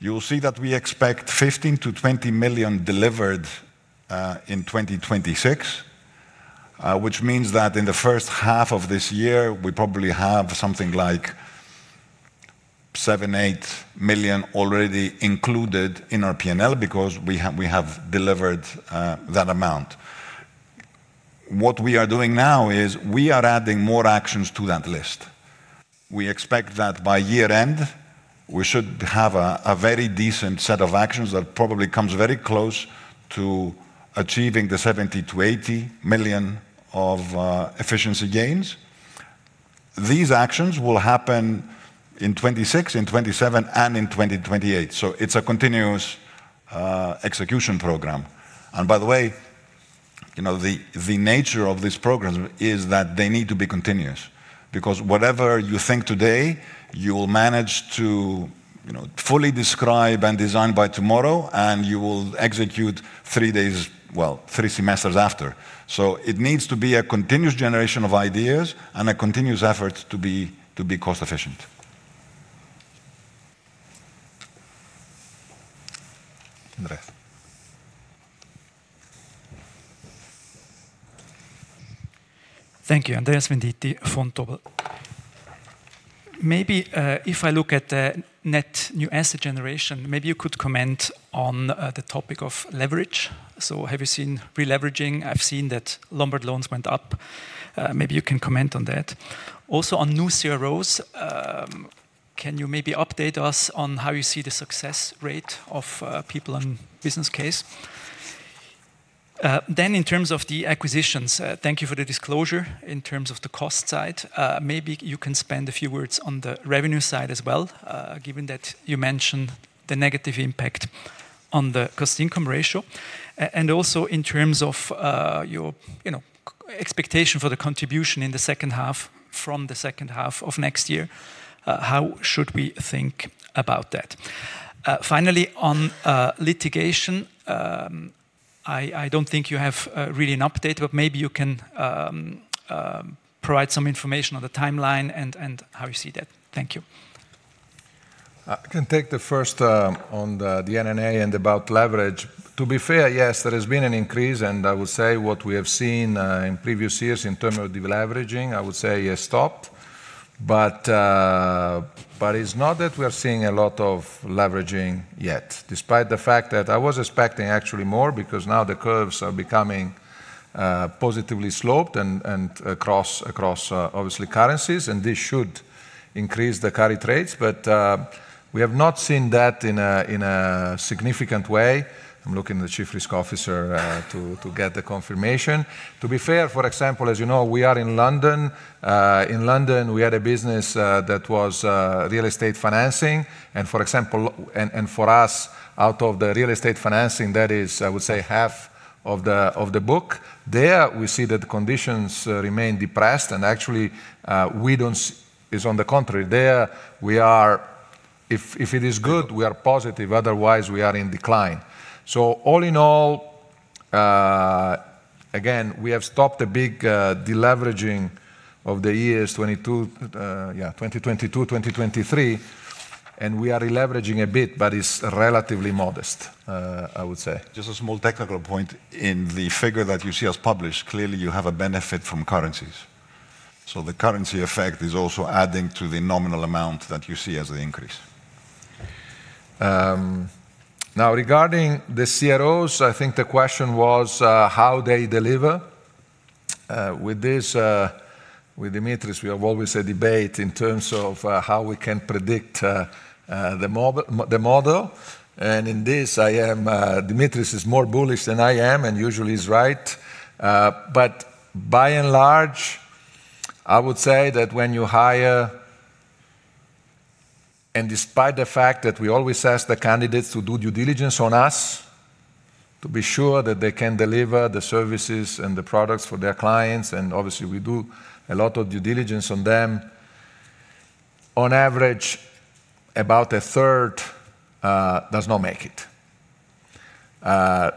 You'll see that we expect 15 million-20 million delivered in 2026, which means that in the first half of this year, we probably have something like 7 million, 8 million already included in our P&L because we have delivered that amount. What we are doing now is we are adding more actions to that list. We expect that by year-end, we should have a very decent set of actions that probably comes very close to achieving the 70 million-80 million of efficiency gains. These actions will happen in 2026, in 2027, and in 2028. It's a continuous execution program. By the way, the nature of these programs is that they need to be continuous because whatever you think today, you'll manage to fully describe and design by tomorrow, and you will execute three days, well, three semesters after. It needs to be a continuous generation of ideas and a continuous effort to be cost-efficient. Andreas? Thank you. Andreas Venditti, Vontobel. Maybe if I look at the net new asset generation, maybe you could comment on the topic of leverage. Have you seen releveraging? I've seen that Lombard loans went up. Maybe you can comment on that. Also on new CROs, can you maybe update us on how you see the success rate of people and business case? In terms of the acquisitions, thank you for the disclosure in terms of the cost side. Maybe you can spend a few words on the revenue side as well, given that you mentioned the negative impact on the cost-income ratio. Also in terms of your expectation for the contribution from the second half of next year, how should we think about that? Finally, on litigation, I don't think you have really an update, but maybe you can provide some information on the timeline and how you see that. Thank you. I can take the first on the NNA and about leverage. To be fair, yes, there has been an increase. I would say what we have seen in previous years in terms of deleveraging, I would say has stopped. It's not that we are seeing a lot of leveraging yet, despite the fact that I was expecting actually more because now the curves are becoming positively sloped and across obviously currencies, and this should increase the carry trades. We have not seen that in a significant way. I'm looking at the Chief Risk Officer to get the confirmation. To be fair, for example, as you know, we are in London. In London, we had a business that was real estate financing. For us, out of the real estate financing, that is, I would say, half of the book. There, we see that the conditions remain depressed and actually, it's on the contrary. There, if it is good, we are positive. Otherwise, we are in decline. All in all, we have stopped a big deleveraging of the years 2020 to 2022, 2023, and we are releveraging a bit, but it's relatively modest, I would say. A small technical point. In the figure that you see us publish, clearly you have a benefit from currencies. The currency effect is also adding to the nominal amount that you see as the increase. Regarding the CROs, I think the question was how they deliver. With this, with Dimitris, we have always a debate in terms of how we can predict the model. In this, Dimitris is more bullish than I am, and usually he's right. By and large, I would say that when you hire, despite the fact that we always ask the candidates to do due diligence on us to be sure that they can deliver the services and the products for their clients, and obviously we do a lot of due diligence on them, on average, about a third does not make it.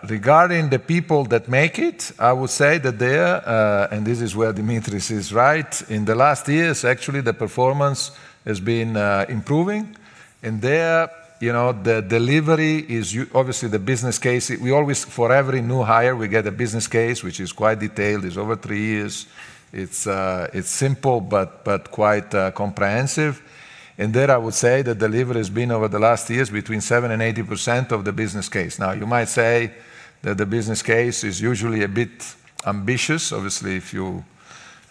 Regarding the people that make it, I would say that there, and this is where Dimitris is right, in the last years, actually, the performance has been improving. There, the delivery is obviously the business case. For every new hire, we get a business case, which is quite detailed. It is over three years. It is simple, but quite comprehensive. There I would say the delivery has been, over the last years, between 70% and 80% of the business case. You might say that the business case is usually a bit ambitious. Obviously,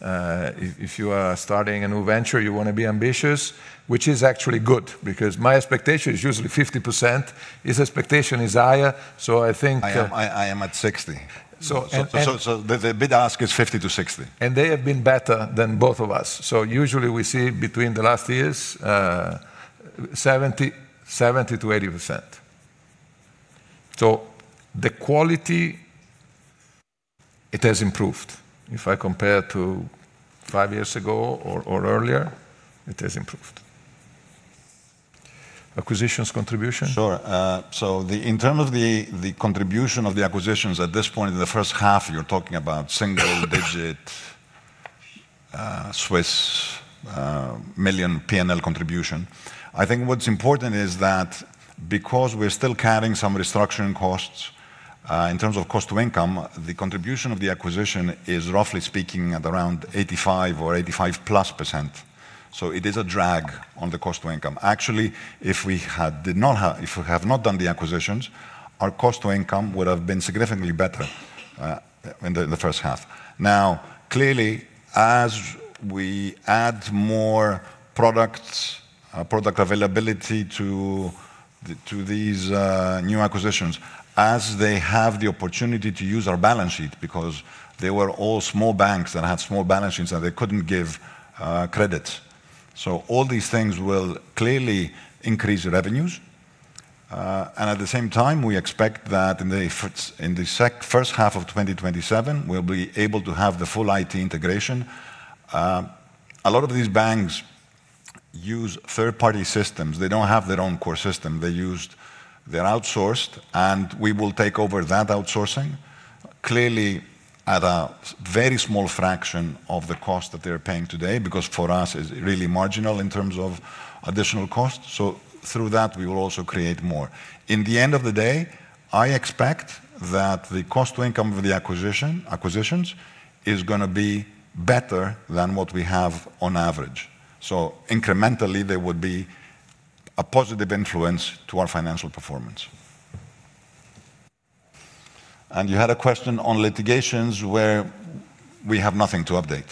if you are starting a new venture, you want to be ambitious, which is actually good because my expectation is usually 50%. His expectation is higher. I think I am at 60%. The bid ask is 50%-60%. They have been better than both of us. Usually we see between the last years, 70%-80%. The quality, it has improved. If I compare to five years ago or earlier, it has improved. Acquisitions contribution? Sure. In terms of the contribution of the acquisitions at this point in the first half, you're talking about single-digit Swiss million P&L contribution. I think what's important is that because we're still carrying some restructuring costs, in terms of cost to income, the contribution of the acquisition is roughly speaking at around 85% or 85%+. It is a drag on the cost to income. Actually, if we have not done the acquisitions, our cost to income would've been significantly better in the first half. Clearly, as we add more product availability to these new acquisitions, as they have the opportunity to use our balance sheet because they were all small banks that had small balance sheets, and they couldn't give credits. All these things will clearly increase revenues. At the same time, we expect that in the first half of 2027, we'll be able to have the full IT integration. A lot of these banks use third-party systems. They don't have their own core system. They're outsourced, and we will take over that outsourcing, clearly at a very small fraction of the cost that they're paying today, because for us, it's really marginal in terms of additional cost. Through that, we will also create more. In the end of the day, I expect that the cost to income of the acquisitions is going to be better than what we have on average. Incrementally, there would be a positive influence to our financial performance. You had a question on litigations where we have nothing to update.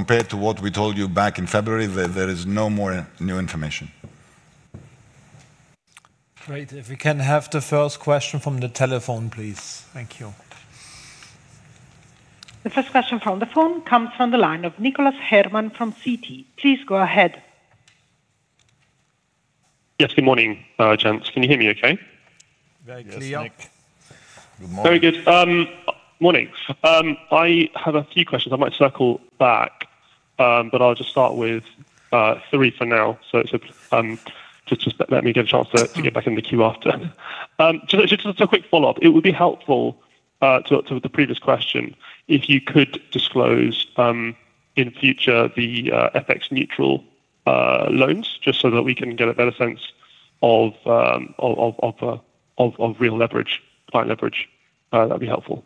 Compared to what we told you back in February, there is no more new information. Great. If we can have the first question from the telephone, please. Thank you. The first question from the phone comes from the line of Nicholas Herman from Citi. Please go ahead. Yes, good morning, gents. Can you hear me okay? Very clear. Yes, Nick. Good morning. Very good. Morning. I have a few questions. I might circle back, but I'll just start with three for now, so just let me get a chance to get back in the queue after. Just a quick follow-up. It would be helpful to the previous question if you could disclose, in future, the FX neutral loans, just so that we can get a better sense of real leverage, client leverage. That'd be helpful.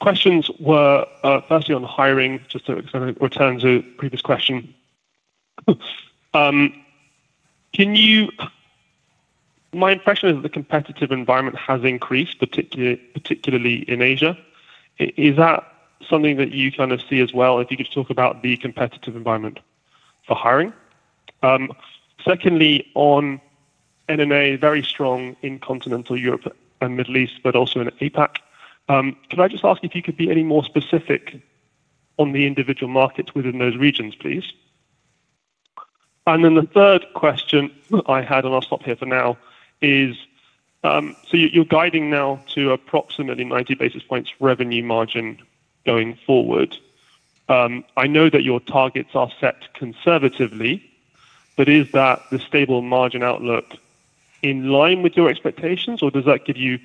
Questions were firstly on hiring, just to return to previous question. My impression is that the competitive environment has increased, particularly in Asia. Is that something that you see as well? If you could talk about the competitive environment for hiring. Secondly, on NNA, very strong in continental Europe and Middle East, but also in APAC. Could I just ask if you could be any more specific on the individual markets within those regions, please? The third question I had, and I'll stop here for now, is, so you're guiding now to approximately 90 basis points revenue margin going forward. I know that your targets are set conservatively. Is that the stable margin outlook in line with your expectations, or does that give you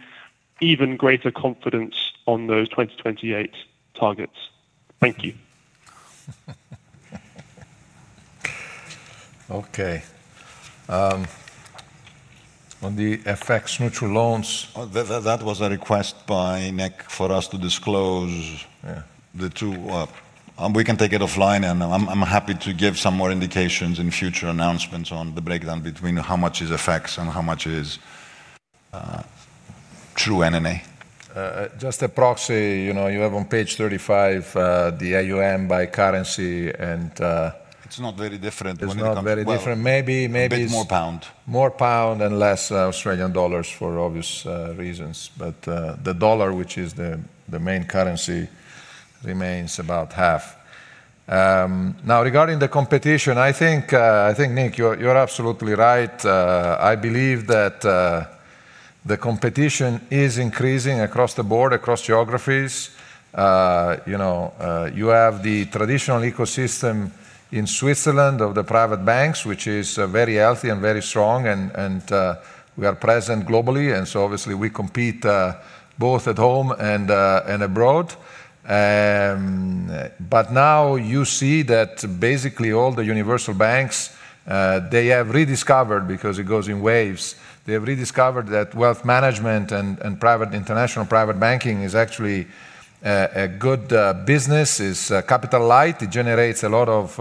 even greater confidence on those 2028 targets? Thank you. Okay. On the FX neutral loans. That was a request by Nick for us to disclose the two. We can take it offline, and I'm happy to give some more indications in future announcements on the breakdown between how much is FX and how much is true M&A. Just a proxy, you have on page 35, the AUM by currency. It's not very different when it comes to. It's not very different. Maybe. A bit more pound. More pound and less Australian Dollar for obvious reasons. The dollar, which is the main currency, remains about half. Regarding the competition, I think, Nick, you're absolutely right. I believe that the competition is increasing across the board, across geographies. You have the traditional ecosystem in Switzerland of the private banks, which is very healthy and very strong, and we are present globally. Obviously we compete both at home and abroad. Now you see that basically all the universal banks, they have rediscovered, because it goes in waves, they have rediscovered that wealth management and international private banking is actually a good business. It's capital light, it generates a lot of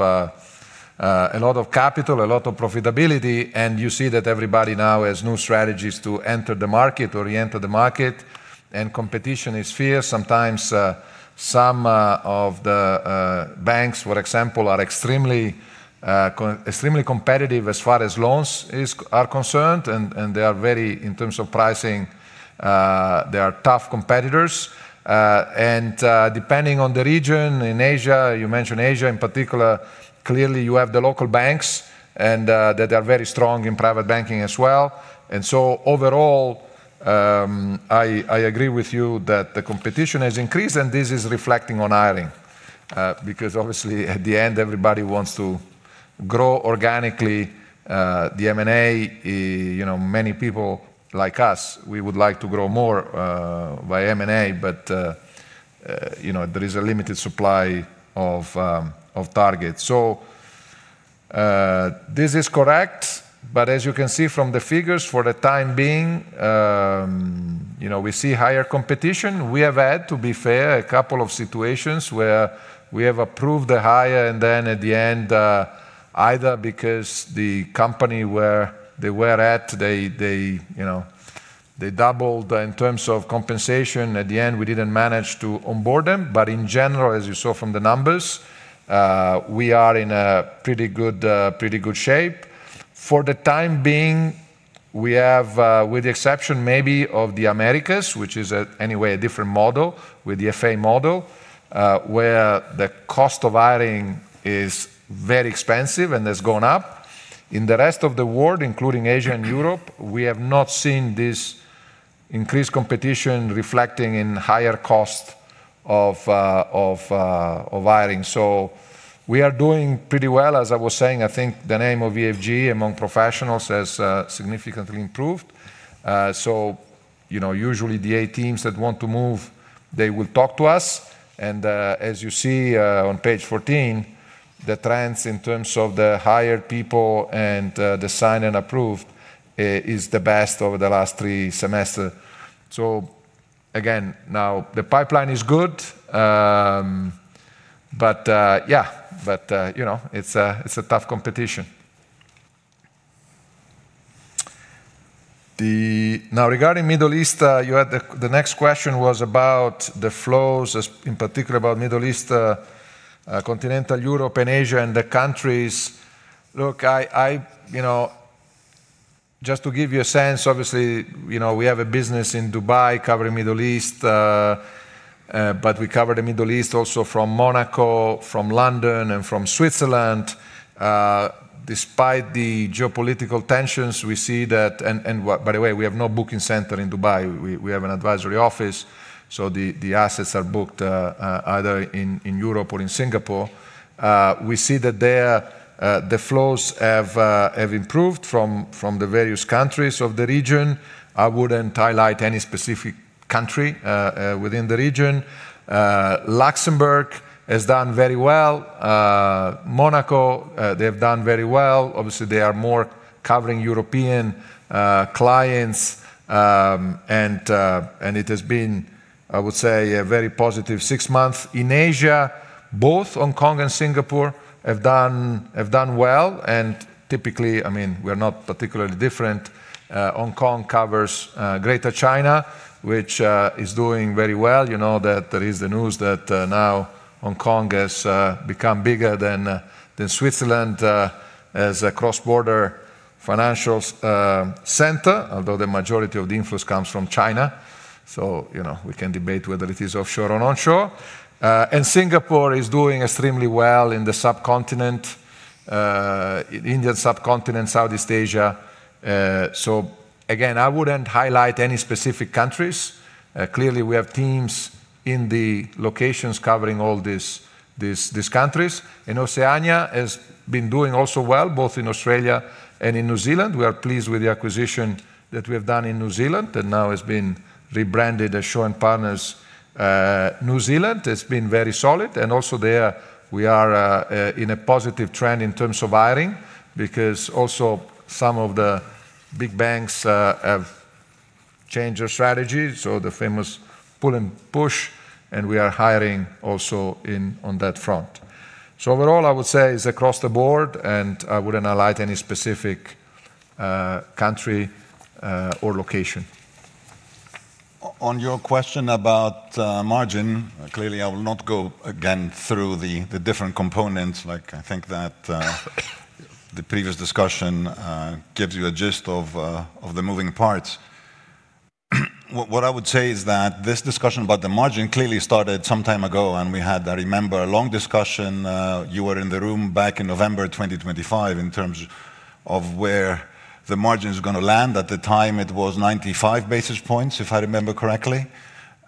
capital, a lot of profitability. You see that everybody now has new strategies to enter the market or re-enter the market, and competition is fierce sometimes. Some of the banks, for example, are extremely competitive as far as loans are concerned, and in terms of pricing, they are tough competitors. Depending on the region, in Asia, you mentioned Asia in particular, clearly you have the local banks, and that they are very strong in private banking as well. Overall, I agree with you that the competition has increased, and this is reflecting on hiring, because obviously at the end everybody wants to grow organically. The M&A, many people like us, we would like to grow more by M&A, but there is a limited supply of targets. This is correct, but as you can see from the figures, for the time being, we see higher competition. We have had, to be fair, a couple of situations where we have approved the hire and then at the end, either because the company where they were at, they doubled in terms of compensation. At the end, we didn't manage to onboard them. In general, as you saw from the numbers, we are in a pretty good shape. For the time being, we have, with the exception maybe of the Americas, which is anyway a different model with the FA model, where the cost of hiring is very expensive and has gone up. In the rest of the world, including Asia and Europe, we have not seen this increased competition reflecting in higher cost of hiring. We are doing pretty well. As I was saying, I think the name of EFG among professionals has significantly improved. Usually the A teams that want to move, they will talk to us, and as you see on page 14, the trends in terms of the hired people and the signed and approved, is the best over the last three semester. Again, now the pipeline is good, but it's a tough competition. Regarding Middle East, the next question was about the flows, in particular about Middle East, continental Europe, and Asia, and the countries. Just to give you a sense, obviously, we have a business in Dubai covering Middle East, but we cover the Middle East also from Monaco, from London, and from Switzerland. Despite the geopolitical tensions, we see that. By the way, we have no booking center in Dubai. We have an advisory office. The assets are booked either in Europe or in Singapore. We see that there the flows have improved from the various countries of the region. I wouldn't highlight any specific country within the region. Luxembourg has done very well. Monaco, they have done very well. Obviously, they are more covering European clients, and it has been, I would say, a very positive six months. In Asia, both Hong Kong and Singapore have done well. And typically, we're not particularly different. Hong Kong covers Greater China, which is doing very well. You know that there is the news that now Hong Kong has become bigger than Switzerland as a cross-border financial center, although the majority of the influence comes from China. We can debate whether it is offshore or onshore. And Singapore is doing extremely well in the subcontinent, Indian subcontinent, Southeast Asia. Again, I wouldn't highlight any specific countries. Clearly, we have teams in the locations covering all these countries. And Oceania has been doing also well, both in Australia and in New Zealand. We are pleased with the acquisition that we have done in New Zealand, and now has been rebranded as Schroders & Partners New Zealand. It's been very solid. And also there, we are in a positive trend in terms of hiring, because also some of the big banks have changed their strategy, so the famous pull and push, and we are hiring also on that front. Overall, I would say it's across the board, and I wouldn't highlight any specific country or location. On your question about margin, clearly, I will not go, again, through the different components. I think that the previous discussion gives you a gist of the moving parts. What I would say is that this discussion about the margin clearly started some time ago, and we had, I remember, a long discussion. You were in the room back in November 2025 in terms of where the margin is going to land. At the time, it was 95 basis points, if I remember correctly,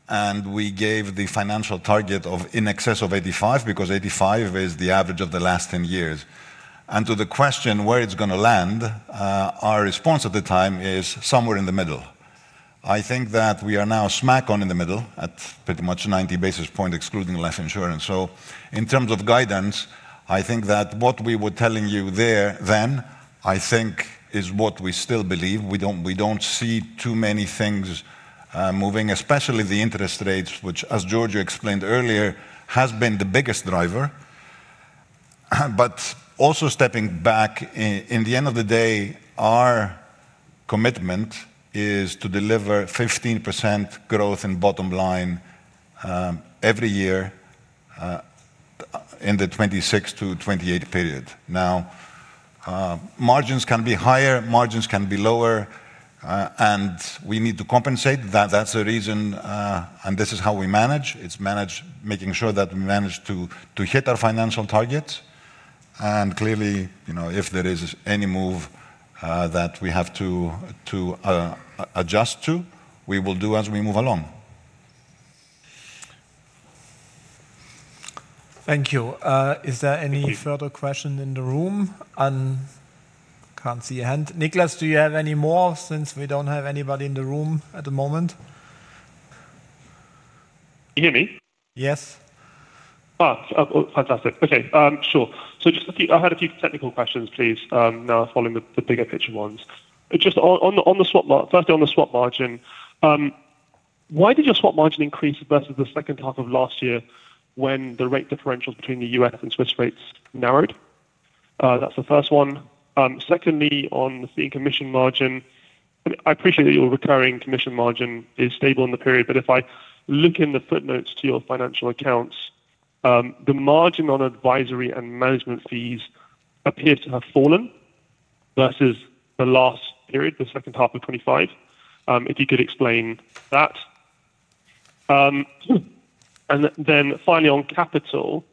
and we gave the financial target of in excess of 85, because 85 is the average of the last 10 years. And to the question, where it's going to land, our response at the time is somewhere in the middle. I think that we are now smack on in the middle at pretty much 90 basis point, excluding life insurance. In terms of guidance, I think that what we were telling you then, I think is what we still believe. We don't see too many things moving, especially the interest rates, which, as Giorgio explained earlier, has been the biggest driver. But also stepping back, in the end of the day, our commitment is to deliver 15% growth in bottom line every year in the 2026 to 2028 period. Now, margins can be higher, margins can be lower, and we need to compensate. That's the reason, and this is how we manage. It's making sure that we manage to hit our financial targets. Clearly, if there is any move that we have to adjust to, we will do as we move along. Thank you. Is there any further question in the room? I can't see a hand. Nicholas, do you have any more since we don't have anybody in the room at the moment? You hear me? Yes. Fantastic. Okay, sure. Just I had a few technical questions, please, now following the bigger picture ones. Firstly on the swap margin, why did your swap margin increase versus the second half of last year when the rate differentials between the U.S. and Swiss rates narrowed? That's the first one. Secondly, on the fee and commission margin, I appreciate that your recurring commission margin is stable in the period, but if I look in the footnotes to your financial accounts, the margin on advisory and management fees appears to have fallen versus the last period, the second half of 2025. If you could explain that. Then finally on capital,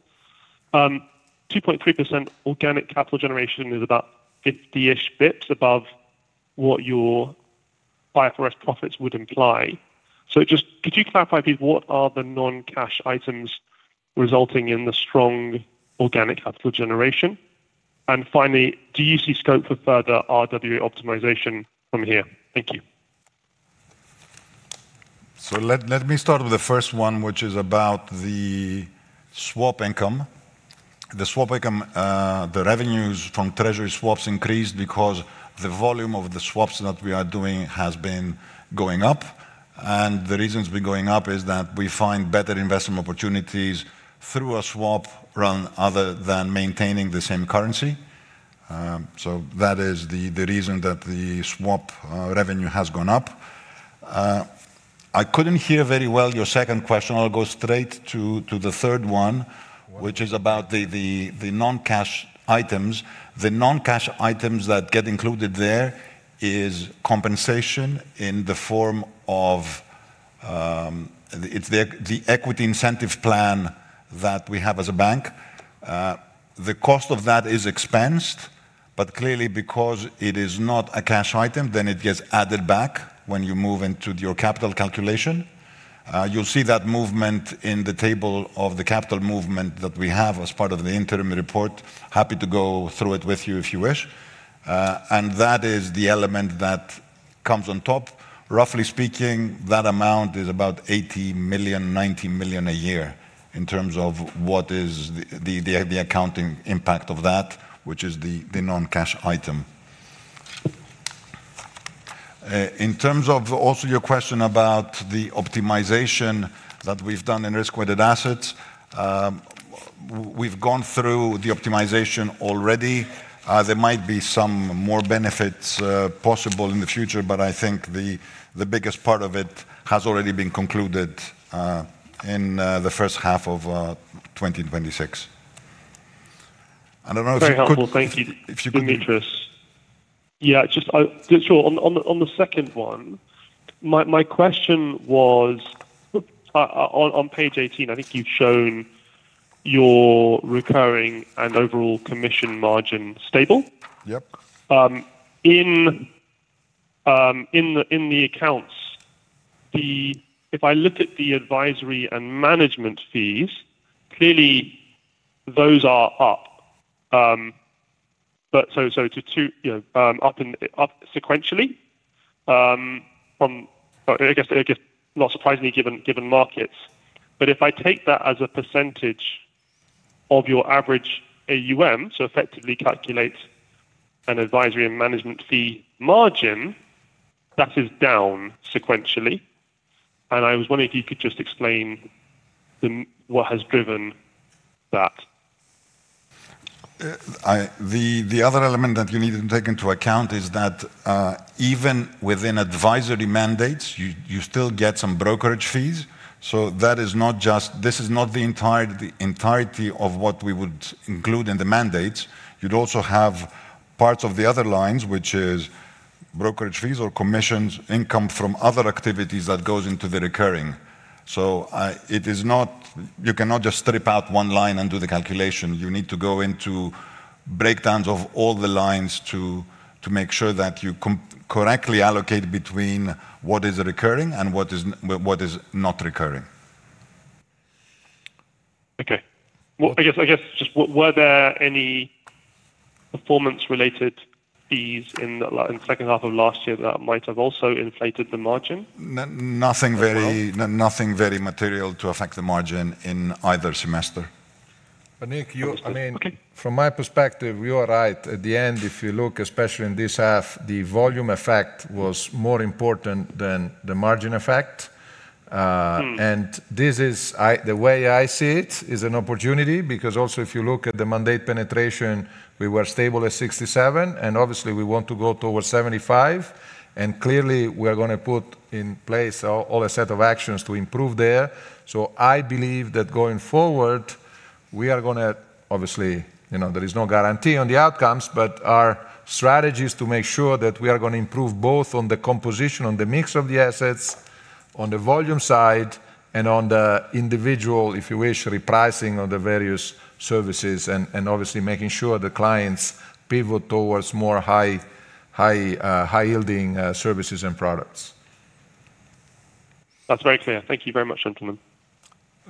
2.3% organic capital generation is about 50-ish bps above what your IFRS profits would imply. Just could you clarify please what are the non-cash items resulting in the strong organic capital generation? Finally, do you see scope for further RWA optimization from here? Thank you. Let me start with the first one, which is about the swap income. The swap income, the revenues from treasury swaps increased because the volume of the swaps that we are doing has been going up. The reason it's been going up is that we find better investment opportunities through a swap rather than maintaining the same currency. That is the reason that the swap revenue has gone up. I couldn't hear very well your second question. I'll go straight to the third one, which is about the non-cash items. The non-cash items that get included there is compensation in the form of the equity incentive plan that we have as a bank. The cost of that is expensed, but clearly because it is not a cash item, it gets added back when you move into your capital calculation. You'll see that movement in the table of the capital movement that we have as part of the interim report. Happy to go through it with you if you wish. That is the element that comes on top. Roughly speaking, that amount is about 80 million, 90 million a year in terms of what is the accounting impact of that, which is the non-cash item. In terms of also your question about the optimization that we've done in risk-weighted assets, we've gone through the optimization already. There might be some more benefits possible in the future, but I think the biggest part of it has already been concluded in the first half of 2026. I don't know if you could Very helpful. Thank you, Dimitris. Yeah, sure. On the second one, my question was on page 18, I think you've shown your recurring and overall commission margin stable. Yep. In the accounts, if I look at the advisory and management fees, clearly those are up. I guess not surprisingly given markets, but if I take that as a percentage of your average AuM, so effectively calculates an advisory and management fee margin, that is down sequentially. I was wondering if you could just explain what has driven that. The other element that you need to take into account is that, even within advisory mandates, you still get some brokerage fees. This is not the entirety of what we would include in the mandates. You'd also have parts of the other lines, which is brokerage fees or commissions, income from other activities that goes into the recurring. You cannot just strip out one line and do the calculation. You need to go into breakdowns of all the lines to make sure that you correctly allocate between what is recurring and what is not recurring. Okay. Well, I guess just were there any performance-related fees in the second half of last year that might have also inflated the margin? Nothing very material to affect the margin in either semester. Okay. From my perspective, you are right. At the end, if you look, especially in this half, the volume effect was more important than the margin effect. The way I see it is an opportunity, because also if you look at the mandate penetration, we were stable at 67, and obviously we want to go towards 75. Clearly we are going to put in place all a set of actions to improve there. I believe that going forward, we are going to, obviously, there is no guarantee on the outcomes, but our strategy is to make sure that we are going to improve both on the composition, on the mix of the assets, on the volume side and on the individual, if you wish, repricing of the various services and obviously making sure the clients pivot towards more high-yielding services and products. That's very clear. Thank you very much, gentlemen.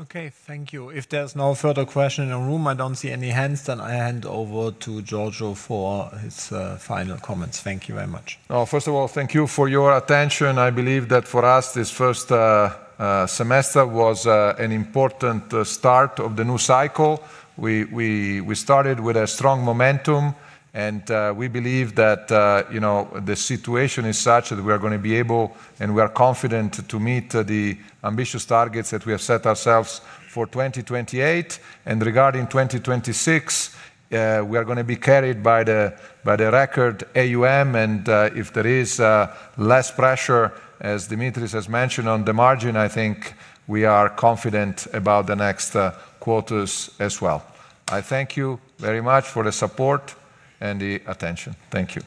Okay. Thank you. If there's no further question in the room, I don't see any hands, then I hand over to Giorgio for his final comments. Thank you very much. First of all, thank you for your attention. I believe that for us, this first semester was an important start of the new cycle. We started with a strong momentum, and we believe that the situation is such that we are going to be able, and we are confident to meet the ambitious targets that we have set ourselves for 2028. Regarding 2026, we are going to be carried by the record AuM, and if there is less pressure, as Dimitris has mentioned on the margin, I think we are confident about the next quarters as well. I thank you very much for the support and the attention. Thank you.